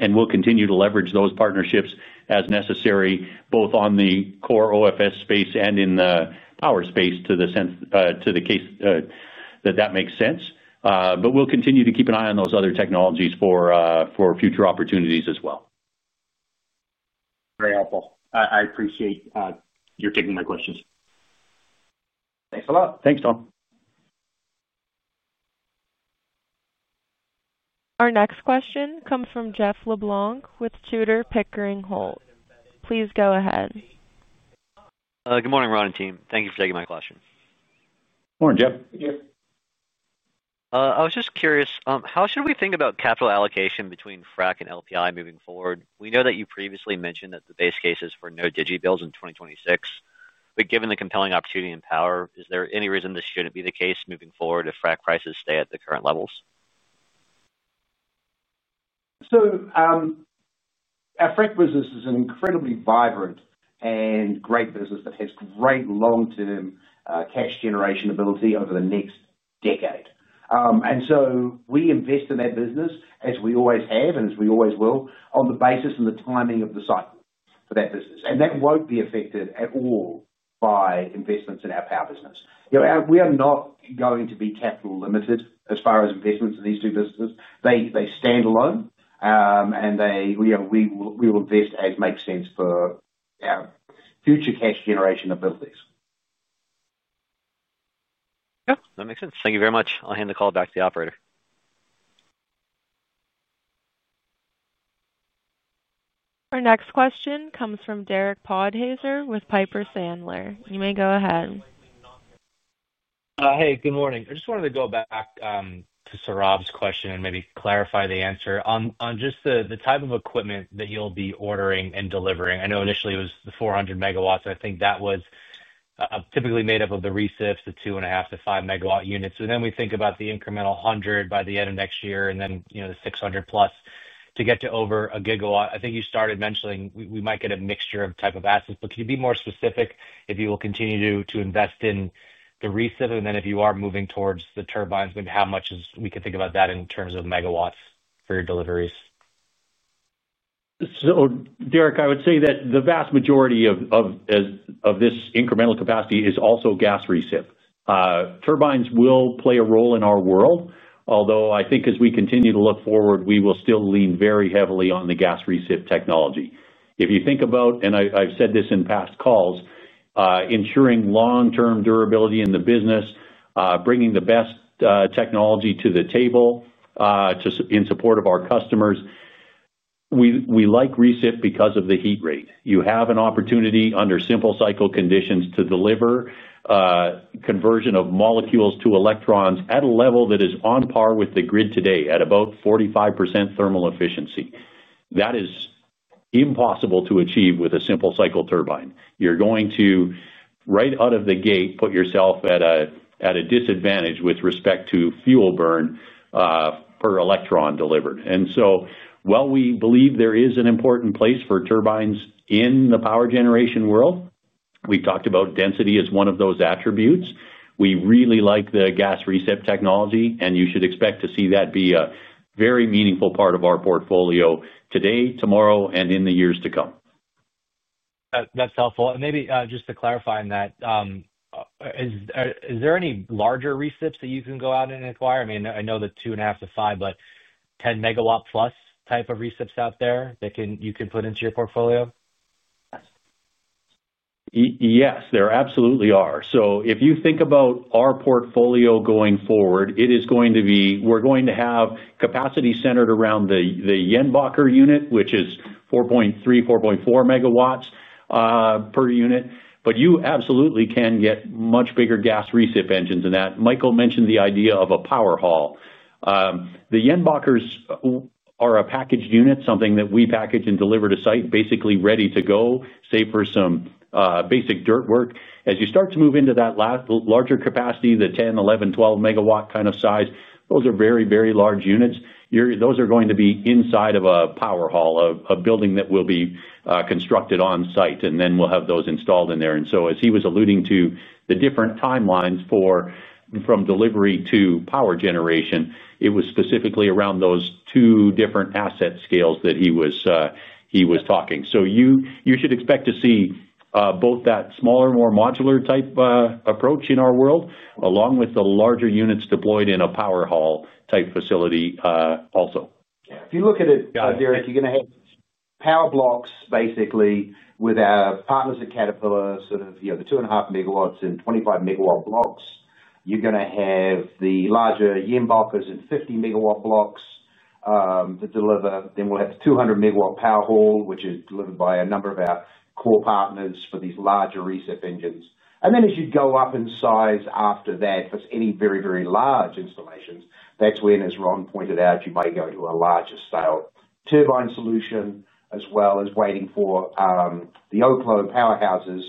We'll continue to leverage those partnerships as necessary, both on the core OFS space and in the power space to the case that that makes sense. We'll continue to keep an eye on those other technologies for future opportunities as well. Very helpful. I appreciate your taking my questions. Thanks a lot. Thanks, Tom. Our next question comes from Jeff LeBlanc with Tudor, Pickering, Holt. Please go ahead. Good morning, Ron and team. Thank you for taking my question. Morning, Jeff. Thank you. I was just curious, how should we think about capital allocation between frac and LPI moving forward? We know that you previously mentioned that the base case is for no digiPrime bills in 2026. Given the compelling opportunity in power, is there any reason this shouldn't be the case moving forward if frac prices stay at the current levels? Our frac business is an incredibly vibrant and great business that has great long-term cash generation ability over the next decade. We invest in that business, as we always have and as we always will, on the basis and the timing of the cycle for that business. That won't be affected at all by investments in our power business. We are not going to be capital limited as far as investments in these two businesses. They stand alone, and we will invest as makes sense for our future cash generation abilities. Yep, that makes sense. Thank you very much. I'll hand the call back to the operator. Our next question comes from Derek Podhaizer with Piper Sandler. You may go ahead. Hey, good morning. I just wanted to go back to Saurabh's question and maybe clarify the answer on just the type of equipment that you'll be ordering and delivering. I know initially it was the 400 MW. I think that was typically made up of the recips, the two and a half to five megawatt units. When we think about the incremental 100 MW by the end of next year and then the 600+ MW to get to over a gigawatt, I think you started mentioning we might get a mixture of type of assets. Can you be more specific if you will continue to invest in the recip and then if you are moving towards the turbines, maybe how much we can think about that in terms of MW for your deliveries? Derek, I would say that the vast majority of this incremental capacity is also gas reciprocating. Turbines will play a role in our world, although I think as we continue to look forward, we will still lean very heavily on the gas reciprocating technology. If you think about, and I've said this in past calls, ensuring long-term durability in the business, bringing the best technology to the table in support of our customers. We like reciprocating because of the heat rate. You have an opportunity under simple cycle conditions to deliver conversion of molecules to electrons at a level that is on par with the grid today at about 45% thermal efficiency. That is impossible to achieve with a simple cycle turbine. You're going to, right out of the gate, put yourself at a disadvantage with respect to fuel burn per electron delivered. While we believe there is an important place for turbines in the power generation world, we've talked about density as one of those attributes. We really like the gas reciprocating technology, and you should expect to see that be a very meaningful part of our portfolio today, tomorrow, and in the years to come. That's helpful. Maybe just to clarify in that, is there any larger recips that you can go out and acquire? I mean, I know the 2.5 MW-5 MW, but 10+ MW type of recips out there that you can put into your portfolio? Yes, there absolutely are. If you think about our portfolio going forward, it is going to be, we're going to have capacity centered around the Jenbacher unit, which is 4.3 MW, 4.4 MW per unit. You absolutely can get much bigger gas reciprocating engines. Michael mentioned the idea of a power hall. The Jenbachers are a packaged unit, something that we package and deliver to site, basically ready to go, say, for some basic dirt work. As you start to move into that larger capacity, the 10 MW, 11 MW, 12 MW kind of size, those are very, very large units. Those are going to be inside of a power hall, a building that will be constructed on site, and then we'll have those installed in there. As he was alluding to, the different timelines from delivery to power generation were specifically around those two different asset scales that he was talking about. You should expect to see both that smaller, more modular type approach in our world, along with the larger units deployed in a power hall type facility also. If you look at it, Derek, you're going to have power blocks, basically, with our partners at Caterpillar, sort of the 2.5 MW and 25 MW blocks. You're going to have the larger Jenbachers in 50MWblocks to deliver. We'll have the 200 MW power hall, which is delivered by a number of our core partners for these larger reciprocating engines. As you go up in size after that, if it's any very, very large installations, that's when, as Ron pointed out, you might go to a larger scale turbine solution, as well as waiting for the Oklo and Aurora powerhouses,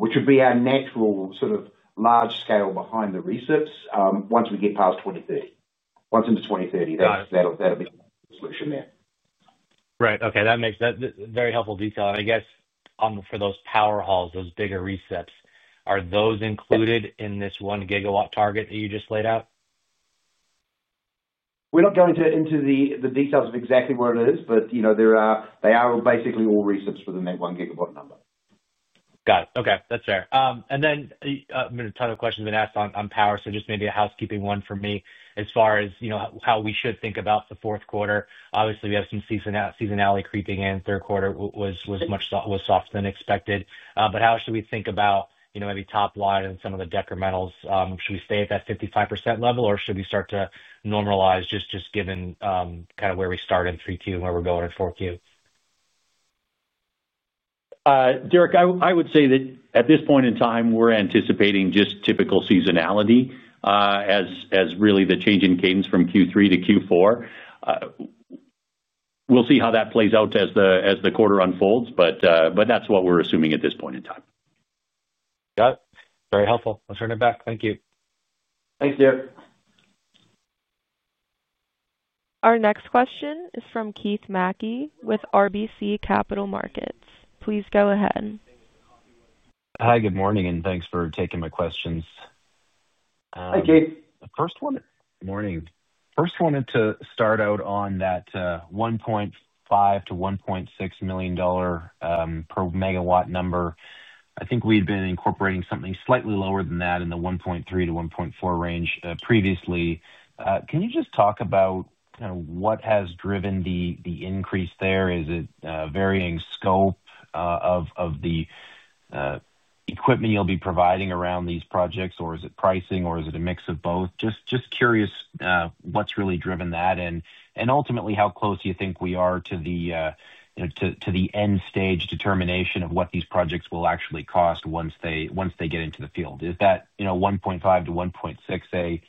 which would be our natural sort of large scale behind the reciprocating engines once we get past 2030. Once into 2030, that'll be the solution there. Right. Okay, that makes that very helpful detail. I guess for those powerhouses, those bigger recips, are those included in this one gigawatt target that you just laid out? We're not going to enter the details of exactly what it is, but you know they are basically all recips within that one gigawatt number. Got it. Okay. That's fair. I mean, a ton of questions have been asked on power. Just maybe a housekeeping one for me as far as how we should think about the fourth quarter. Obviously, we have some seasonality creeping in. Third quarter was much softer than expected. How should we think about maybe top line and some of the decrementals? Should we stay at that 55% level, or should we start to normalize, just given kind of where we started in 3Q and where we're going in 4Q? Derek, I would say that at this point in time, we're anticipating just typical seasonality, as really the change in cadence from Q3 to Q4. We'll see how that plays out as the quarter unfolds, but that's what we're assuming at this point in time. Got it. Very helpful. I'll turn it back. Thank you. Thanks, Derek. Our next question is from Keith MacKey with RBC Capital Markets. Please go ahead. Hi. Good morning, and thanks for taking my questions. Hi, Keith. First, wanted to start out on that $1.5 million-$1.6 million per megawatt number. I think we'd been incorporating something slightly lower than that in the $1.3 million-$1.4 million range previously. Can you just talk about what has driven the increase there? Is it a varying scope of the equipment you'll be providing around these projects, or is it pricing, or is it a mix of both? Just curious what's really driven that, and ultimately, how close do you think we are to the end stage determination of what these projects will actually cost once they get into the field? Is that $1.5 million-$1.6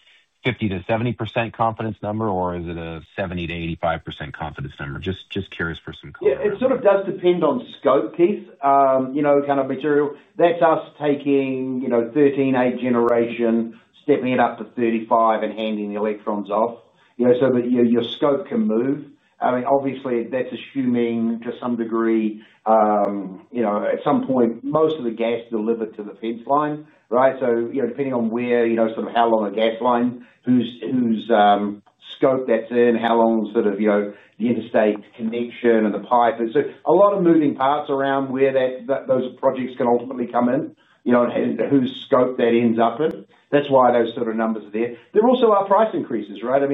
million a 50%-70% confidence number, or is it a 70%-85% confidence number? Just curious for some context. Yeah. It sort of does depend on the scope piece, you know, kind of material. That's us taking, you know, 13A generation, stepping it up to 35 and handing the electrons off, you know, so that your scope can move. Obviously, that's assuming to some degree, at some point, most of the gas delivered to the fence line, right? Depending on where, sort of how long a gas line, whose scope that's in, how long the interstate connection and the pipe. A lot of moving parts around where those projects can ultimately come in, and whose scope that ends up in. That's why those sort of numbers are there. There also are price increases, right? As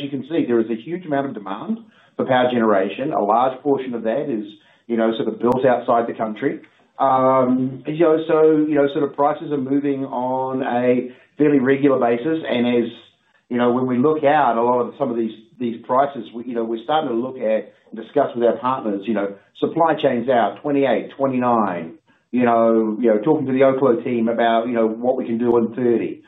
you can see, there is a huge amount of demand for power generation. A large portion of that is built outside the country. Prices are moving on a fairly regular basis. As we look out, a lot of some of these prices, we're starting to look at and discuss with our partners, supply chains out, 2028, 2029, talking to the Oklo team about what we can do in 2030.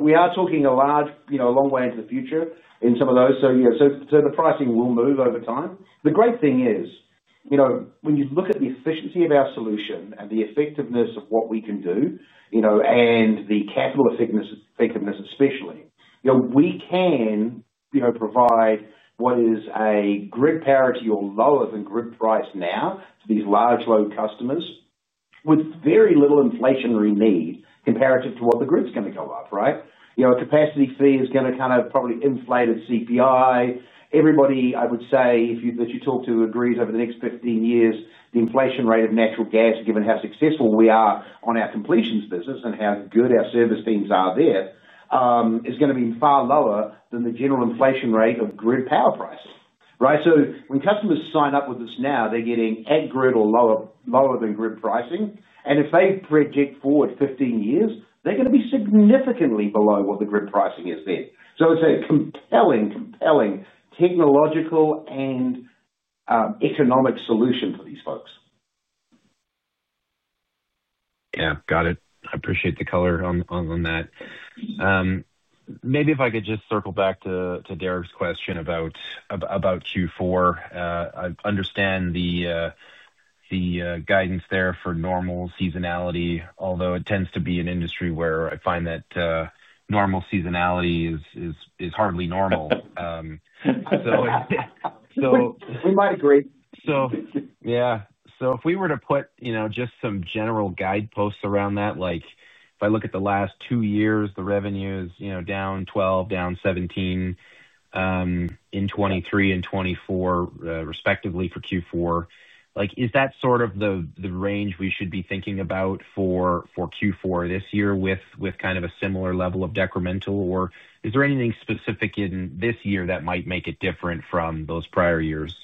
We are talking a long way into the future in some of those. The pricing will move over time. The great thing is, when you look at the efficiency of our solution and the effectiveness of what we can do, and the capital effectiveness especially, we can provide what is a grid parity or lower than grid price now to these large load customers with very little inflationary need comparative to what the grid's going to go up, right? A capacity fee is going to probably inflate its CPI. Everybody, I would say, that you talk to agrees over the next 15 years, the inflation rate of natural gas, given how successful we are on our completions business and how good our service teams are there, is going to be far lower than the general inflation rate of grid power pricing, right? When customers sign up with us now, they're getting at grid or lower than grid pricing. If they project forward 15 years, they're going to be significantly below what the grid pricing is then. It's a compelling, compelling technological and economic solution for these folks. Yeah. Got it. I appreciate the color on that. Maybe if I could just circle back to Derek's question about Q4. I understand the guidance there for normal seasonality, although it tends to be an industry where I find that normal seasonality is hardly normal. We might agree. If we were to put, you know, just some general guideposts around that, like if I look at the last two years, the revenue is down 12%, down 17% in 2023 and 2024, respectively for Q4, like is that sort of the range we should be thinking about for Q4 this year with kind of a similar level of decremental, or is there anything specific in this year that might make it different from those prior years?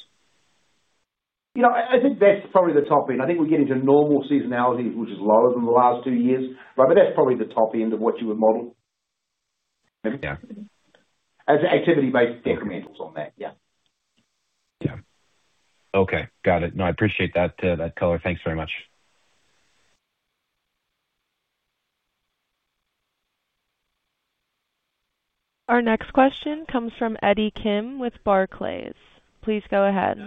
I think that's probably the top end. I think we get into normal seasonalities, which is lower than the last two years, right? That's probably the top end of what you would model. Yeah, as activity-based decrementals on that. Yeah. Yeah, okay. Got it. No, I appreciate that color. Thanks very much. Our next question comes from Eddie Kim with Barclays. Please go ahead.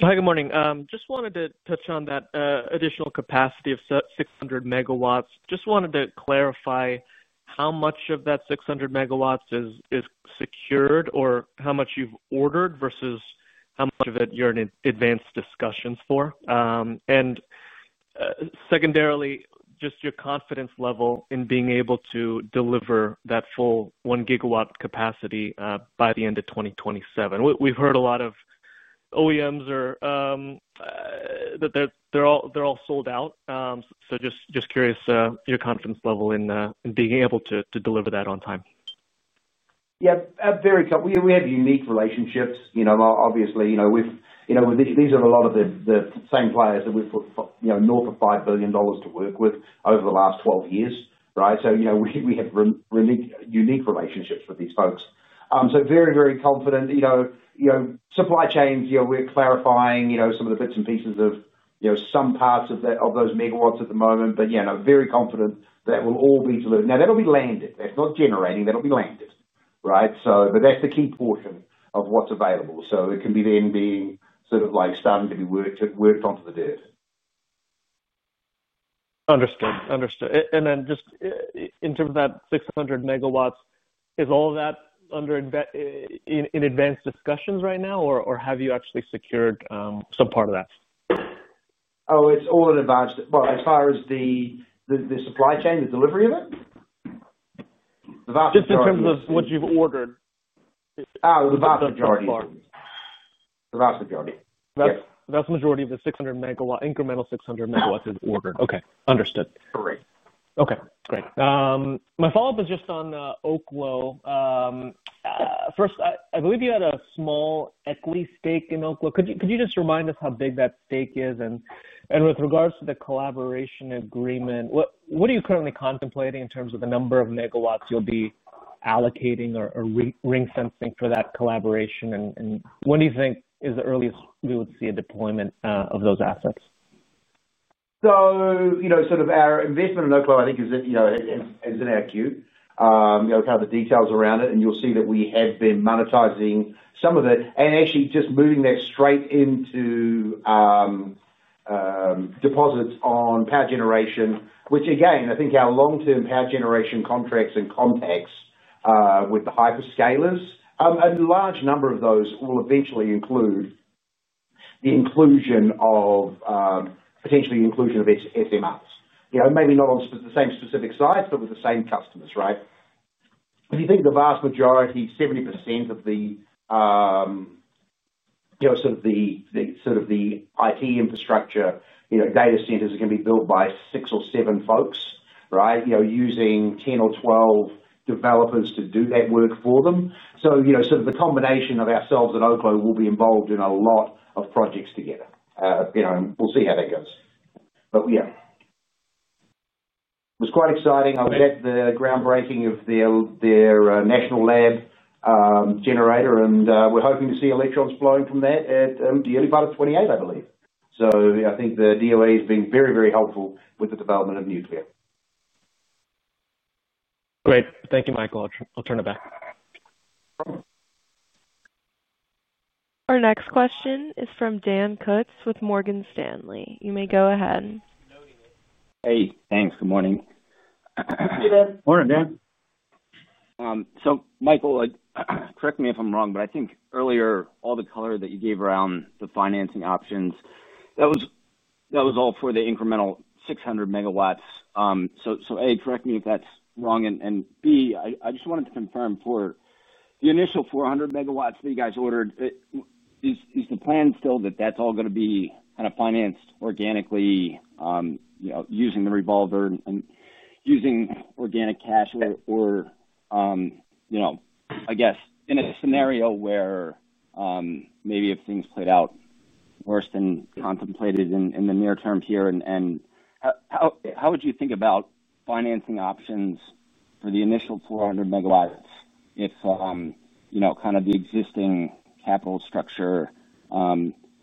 Hi. Good morning. I just wanted to touch on that additional capacity of 600 MW. I just wanted to clarify how much of that 600 MW is secured or how much you've ordered versus how much of it you're in advanced discussions for. Secondarily, just your confidence level in being able to deliver that full one gigawatt capacity by the end of 2027. We've heard a lot of OEMs that they're all sold out. I'm just curious your confidence level in being able to deliver that on time. Yeah. Very cut. We have unique relationships. Obviously, these are a lot of the same players that we've put north of $5 billion to work with over the last 12 years, right? We have really unique relationships with these folks. Very, very confident. Supply chains, we're clarifying some of the bits and pieces of some parts of those MW at the moment. Yeah, very confident that it will all be delivered. Now, that'll be landed. That's not generating. That'll be landed, right? That's the key portion of what's available. It can then be sort of like starting to be worked onto the dirt. Understood. In terms of that 600 MW, is all of that in advanced discussions right now, or have you actually secured some part of that? Oh, it's all in advanced. As far as the supply chain, the delivery of it? Just in terms of what you've ordered. Oh, the vast majority. The vast majority. Yep. The vast majority of the 600 MW incremental 600 MW is ordered. Okay. Understood. Correct. Okay. Great. My follow-up is just on Oklo. First, I believe you had a small equity stake in Oklo. Could you just remind us how big that stake is? With regards to the collaboration agreement, what are you currently contemplating in terms of the number of MW you'll be allocating or ring-fencing for that collaboration? When do you think is the earliest we would see a deployment of those assets? You know, sort of our investment in Oklo, I think, is in our queue. You know the details around it. You'll see that we have been monetizing some of it and actually just moving that straight into deposits on power generation, which again, I think our long-term power generation contracts and contacts with the hyperscalers, a large number of those will eventually include the inclusion of potentially the inclusion of small modular nuclear reactors. Maybe not on the same specific sites, but with the same customers, right? If you think of the vast majority, 70% of the sort of the IT infrastructure, you know, data centers can be built by six or seven folks, right? You know, using 10 or 12 developers to do that work for them. The combination of ourselves and Oklo will be involved in a lot of projects together. We'll see how that goes. Yeah, it was quite exciting. I was at the groundbreaking of their national lab generator, and we're hoping to see electrons flowing from that at the early part of 2028, I believe. I think the DOE has been very, very helpful with the development of nuclear. Great. Thank you, Michael. I'll turn it back. Our next question is from Dan Kutz with Morgan Stanley. You may go ahead. Hey, thanks. Good morning. Morning, Dan. Michael, correct me if I'm wrong, but I think earlier, all the color that you gave around the financing options, that was all for the incremental 600 MW. A, correct me if that's wrong. B, I just wanted to confirm for the initial 400 MW that you guys ordered, is the plan still that that's all going to be kind of financed organically, you know, using the revolver and using organic cash? In a scenario where maybe if things played out worse than contemplated in the near term here, how would you think about financing options for the initial 400 MW if, you know, kind of the existing capital structure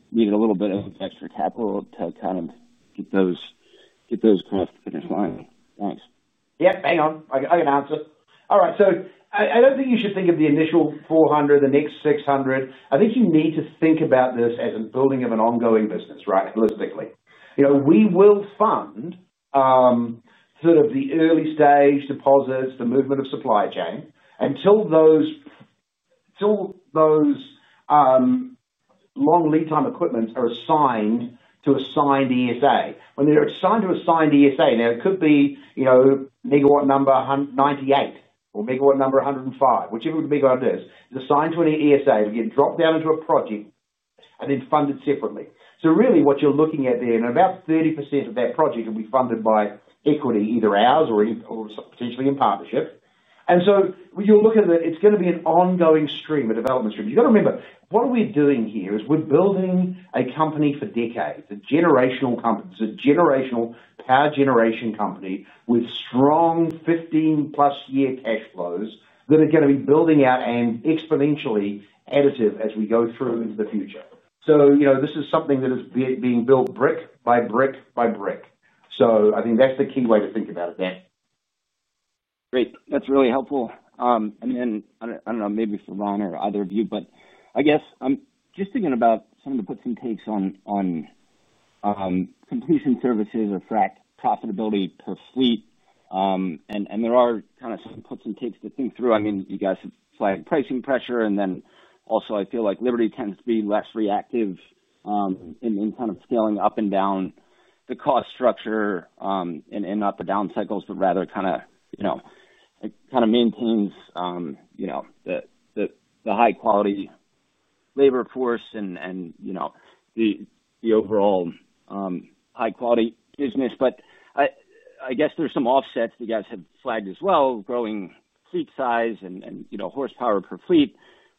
needed a little bit of extra capital to get those across the finish line? Thanks. Yeah. I can answer it. All right. I don't think you should think of the initial 400, the next 600. I think you need to think about this as a building of an ongoing business, right, holistically. We will fund sort of the early-stage deposits, the movement of supply chain until those long lead-time equipments are assigned to assigned ESA. When they're assigned to assigned ESA, now it could be, you know, megawatt number 198 or megawatt number 105, whichever megawatt it is. It's assigned to an ESA. It'll get dropped down into a project and then funded separately. What you're looking at there, and about 30% of that project will be funded by equity, either ours or potentially in partnership. You'll look at it, it's going to be an ongoing stream, a development stream. You've got to remember, what we're doing here is we're building a company for decades, a generational company. It's a power generation company with strong 15+ year cash flows that are going to be building out and exponentially additive as we go through into the future. This is something that is being built brick by brick by brick. I think that's the key way to think about it then. Great. That's really helpful. Maybe for Ron or either of you, I guess I'm just thinking about some of the puts and takes on completion services or frac profitability per fleet. There are kind of some puts and takes to think through. You guys have flagged pricing pressure. I feel like Liberty tends to be less reactive in scaling up and down the cost structure, not the down cycles, but rather it kind of maintains the high-quality labor force and the overall high-quality business. I guess there's some offsets that you guys have flagged as well, growing fleet size and horsepower per fleet.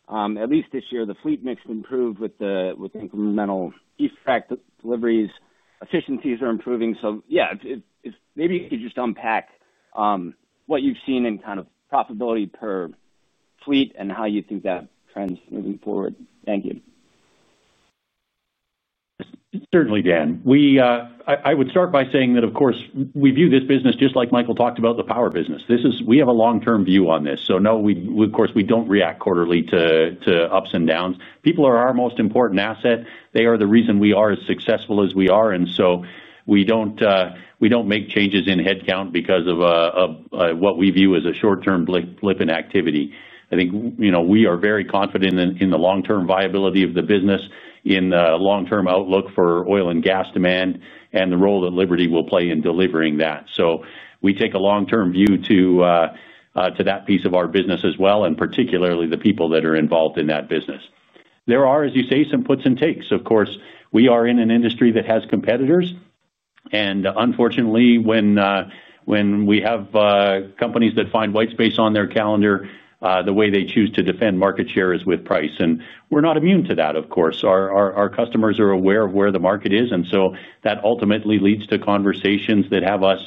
At least this year, the fleet mix improved with the incremental defect deliveries. Efficiencies are improving. If maybe you could just unpack what you've seen in profitability per fleet and how you think that trends moving forward. Thank you. Certainly, Dan. I would start by saying that, of course, we view this business just like Michael talked about the power business. We have a long-term view on this. No, of course, we don't react quarterly to ups and downs. People are our most important asset. They are the reason we are as successful as we are. We don't make changes in headcount because of what we view as a short-term blip in activity. I think we are very confident in the long-term viability of the business, in the long-term outlook for oil and gas demand, and the role that Liberty Energy will play in delivering that. We take a long-term view to that piece of our business as well, and particularly the people that are involved in that business. There are, as you say, some puts and takes. We are in an industry that has competitors. Unfortunately, when we have companies that find whitespace on their calendar, the way they choose to defend market share is with price. We're not immune to that, of course. Our customers are aware of where the market is. That ultimately leads to conversations that have us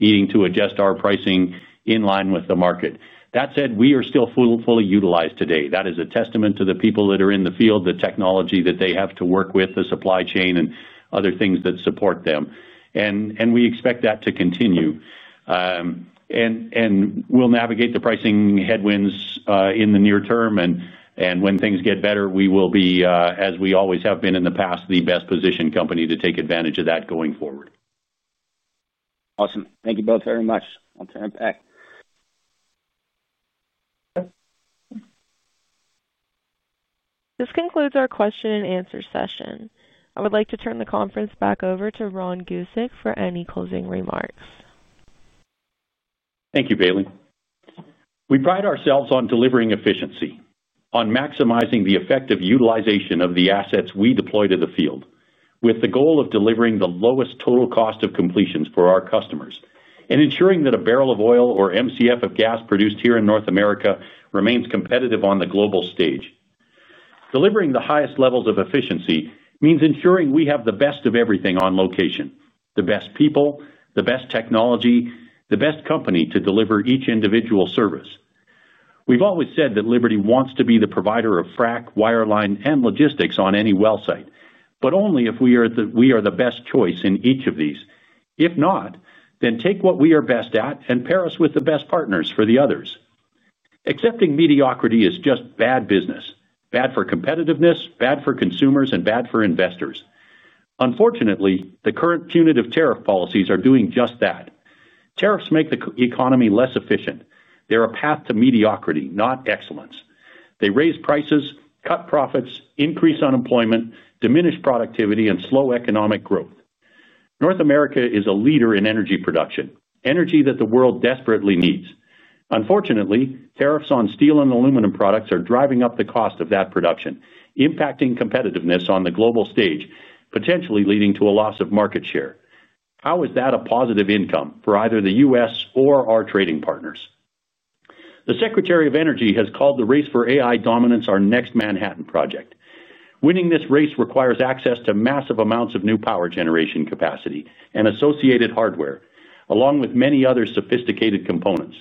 needing to adjust our pricing in line with the market. That said, we are still fully utilized today. That is a testament to the people that are in the field, the technology that they have to work with, the supply chain, and other things that support them. We expect that to continue. We'll navigate the pricing headwinds in the near term. When things get better, we will be, as we always have been in the past, the best-positioned company to take advantage of that going forward. Awesome. Thank you both very much. I'll turn it back. This concludes our question and answer session. I would like to turn the conference back over to Ron Gusek for any closing remarks. Thank you, Bailey. We pride ourselves on delivering efficiency, on maximizing the effective utilization of the assets we deploy to the field, with the goal of delivering the lowest total cost of completions for our customers and ensuring that a barrel of oil or MCF of gas produced here in North America remains competitive on the global stage. Delivering the highest levels of efficiency means ensuring we have the best of everything on location, the best people, the best technology, the best company to deliver each individual service. We've always said that Liberty Energy wants to be the provider of frac, wireline, and logistics on any well site, but only if we are the best choice in each of these. If not, then take what we are best at and pair us with the best partners for the others. Accepting mediocrity is just bad business, bad for competitiveness, bad for consumers, and bad for investors. Unfortunately, the current punitive tariff policies are doing just that. Tariffs make the economy less efficient. They're a path to mediocrity, not excellence. They raise prices, cut profits, increase unemployment, diminish productivity, and slow economic growth. North America is a leader in energy production, energy that the world desperately needs. Unfortunately, tariffs on steel and aluminum products are driving up the cost of that production, impacting competitiveness on the global stage, potentially leading to a loss of market share. How is that a positive income for either the U.S. or our trading partners? The Secretary of Energy has called the race for AI dominance our next Manhattan Project. Winning this race requires access to massive amounts of new power generation capacity and associated hardware, along with many other sophisticated components.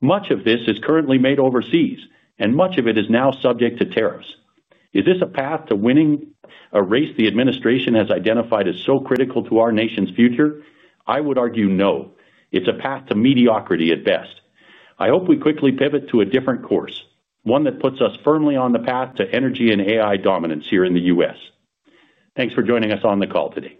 Much of this is currently made overseas, and much of it is now subject to tariffs. Is this a path to winning a race the administration has identified as so critical to our nation's future? I would argue no. It's a path to mediocrity at best. I hope we quickly pivot to a different course, one that puts us firmly on the path to energy and AI dominance here in the U.S. Thanks for joining us on the call today.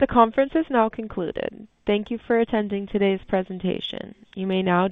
The conference is now concluded. Thank you for attending today's presentation. You may now.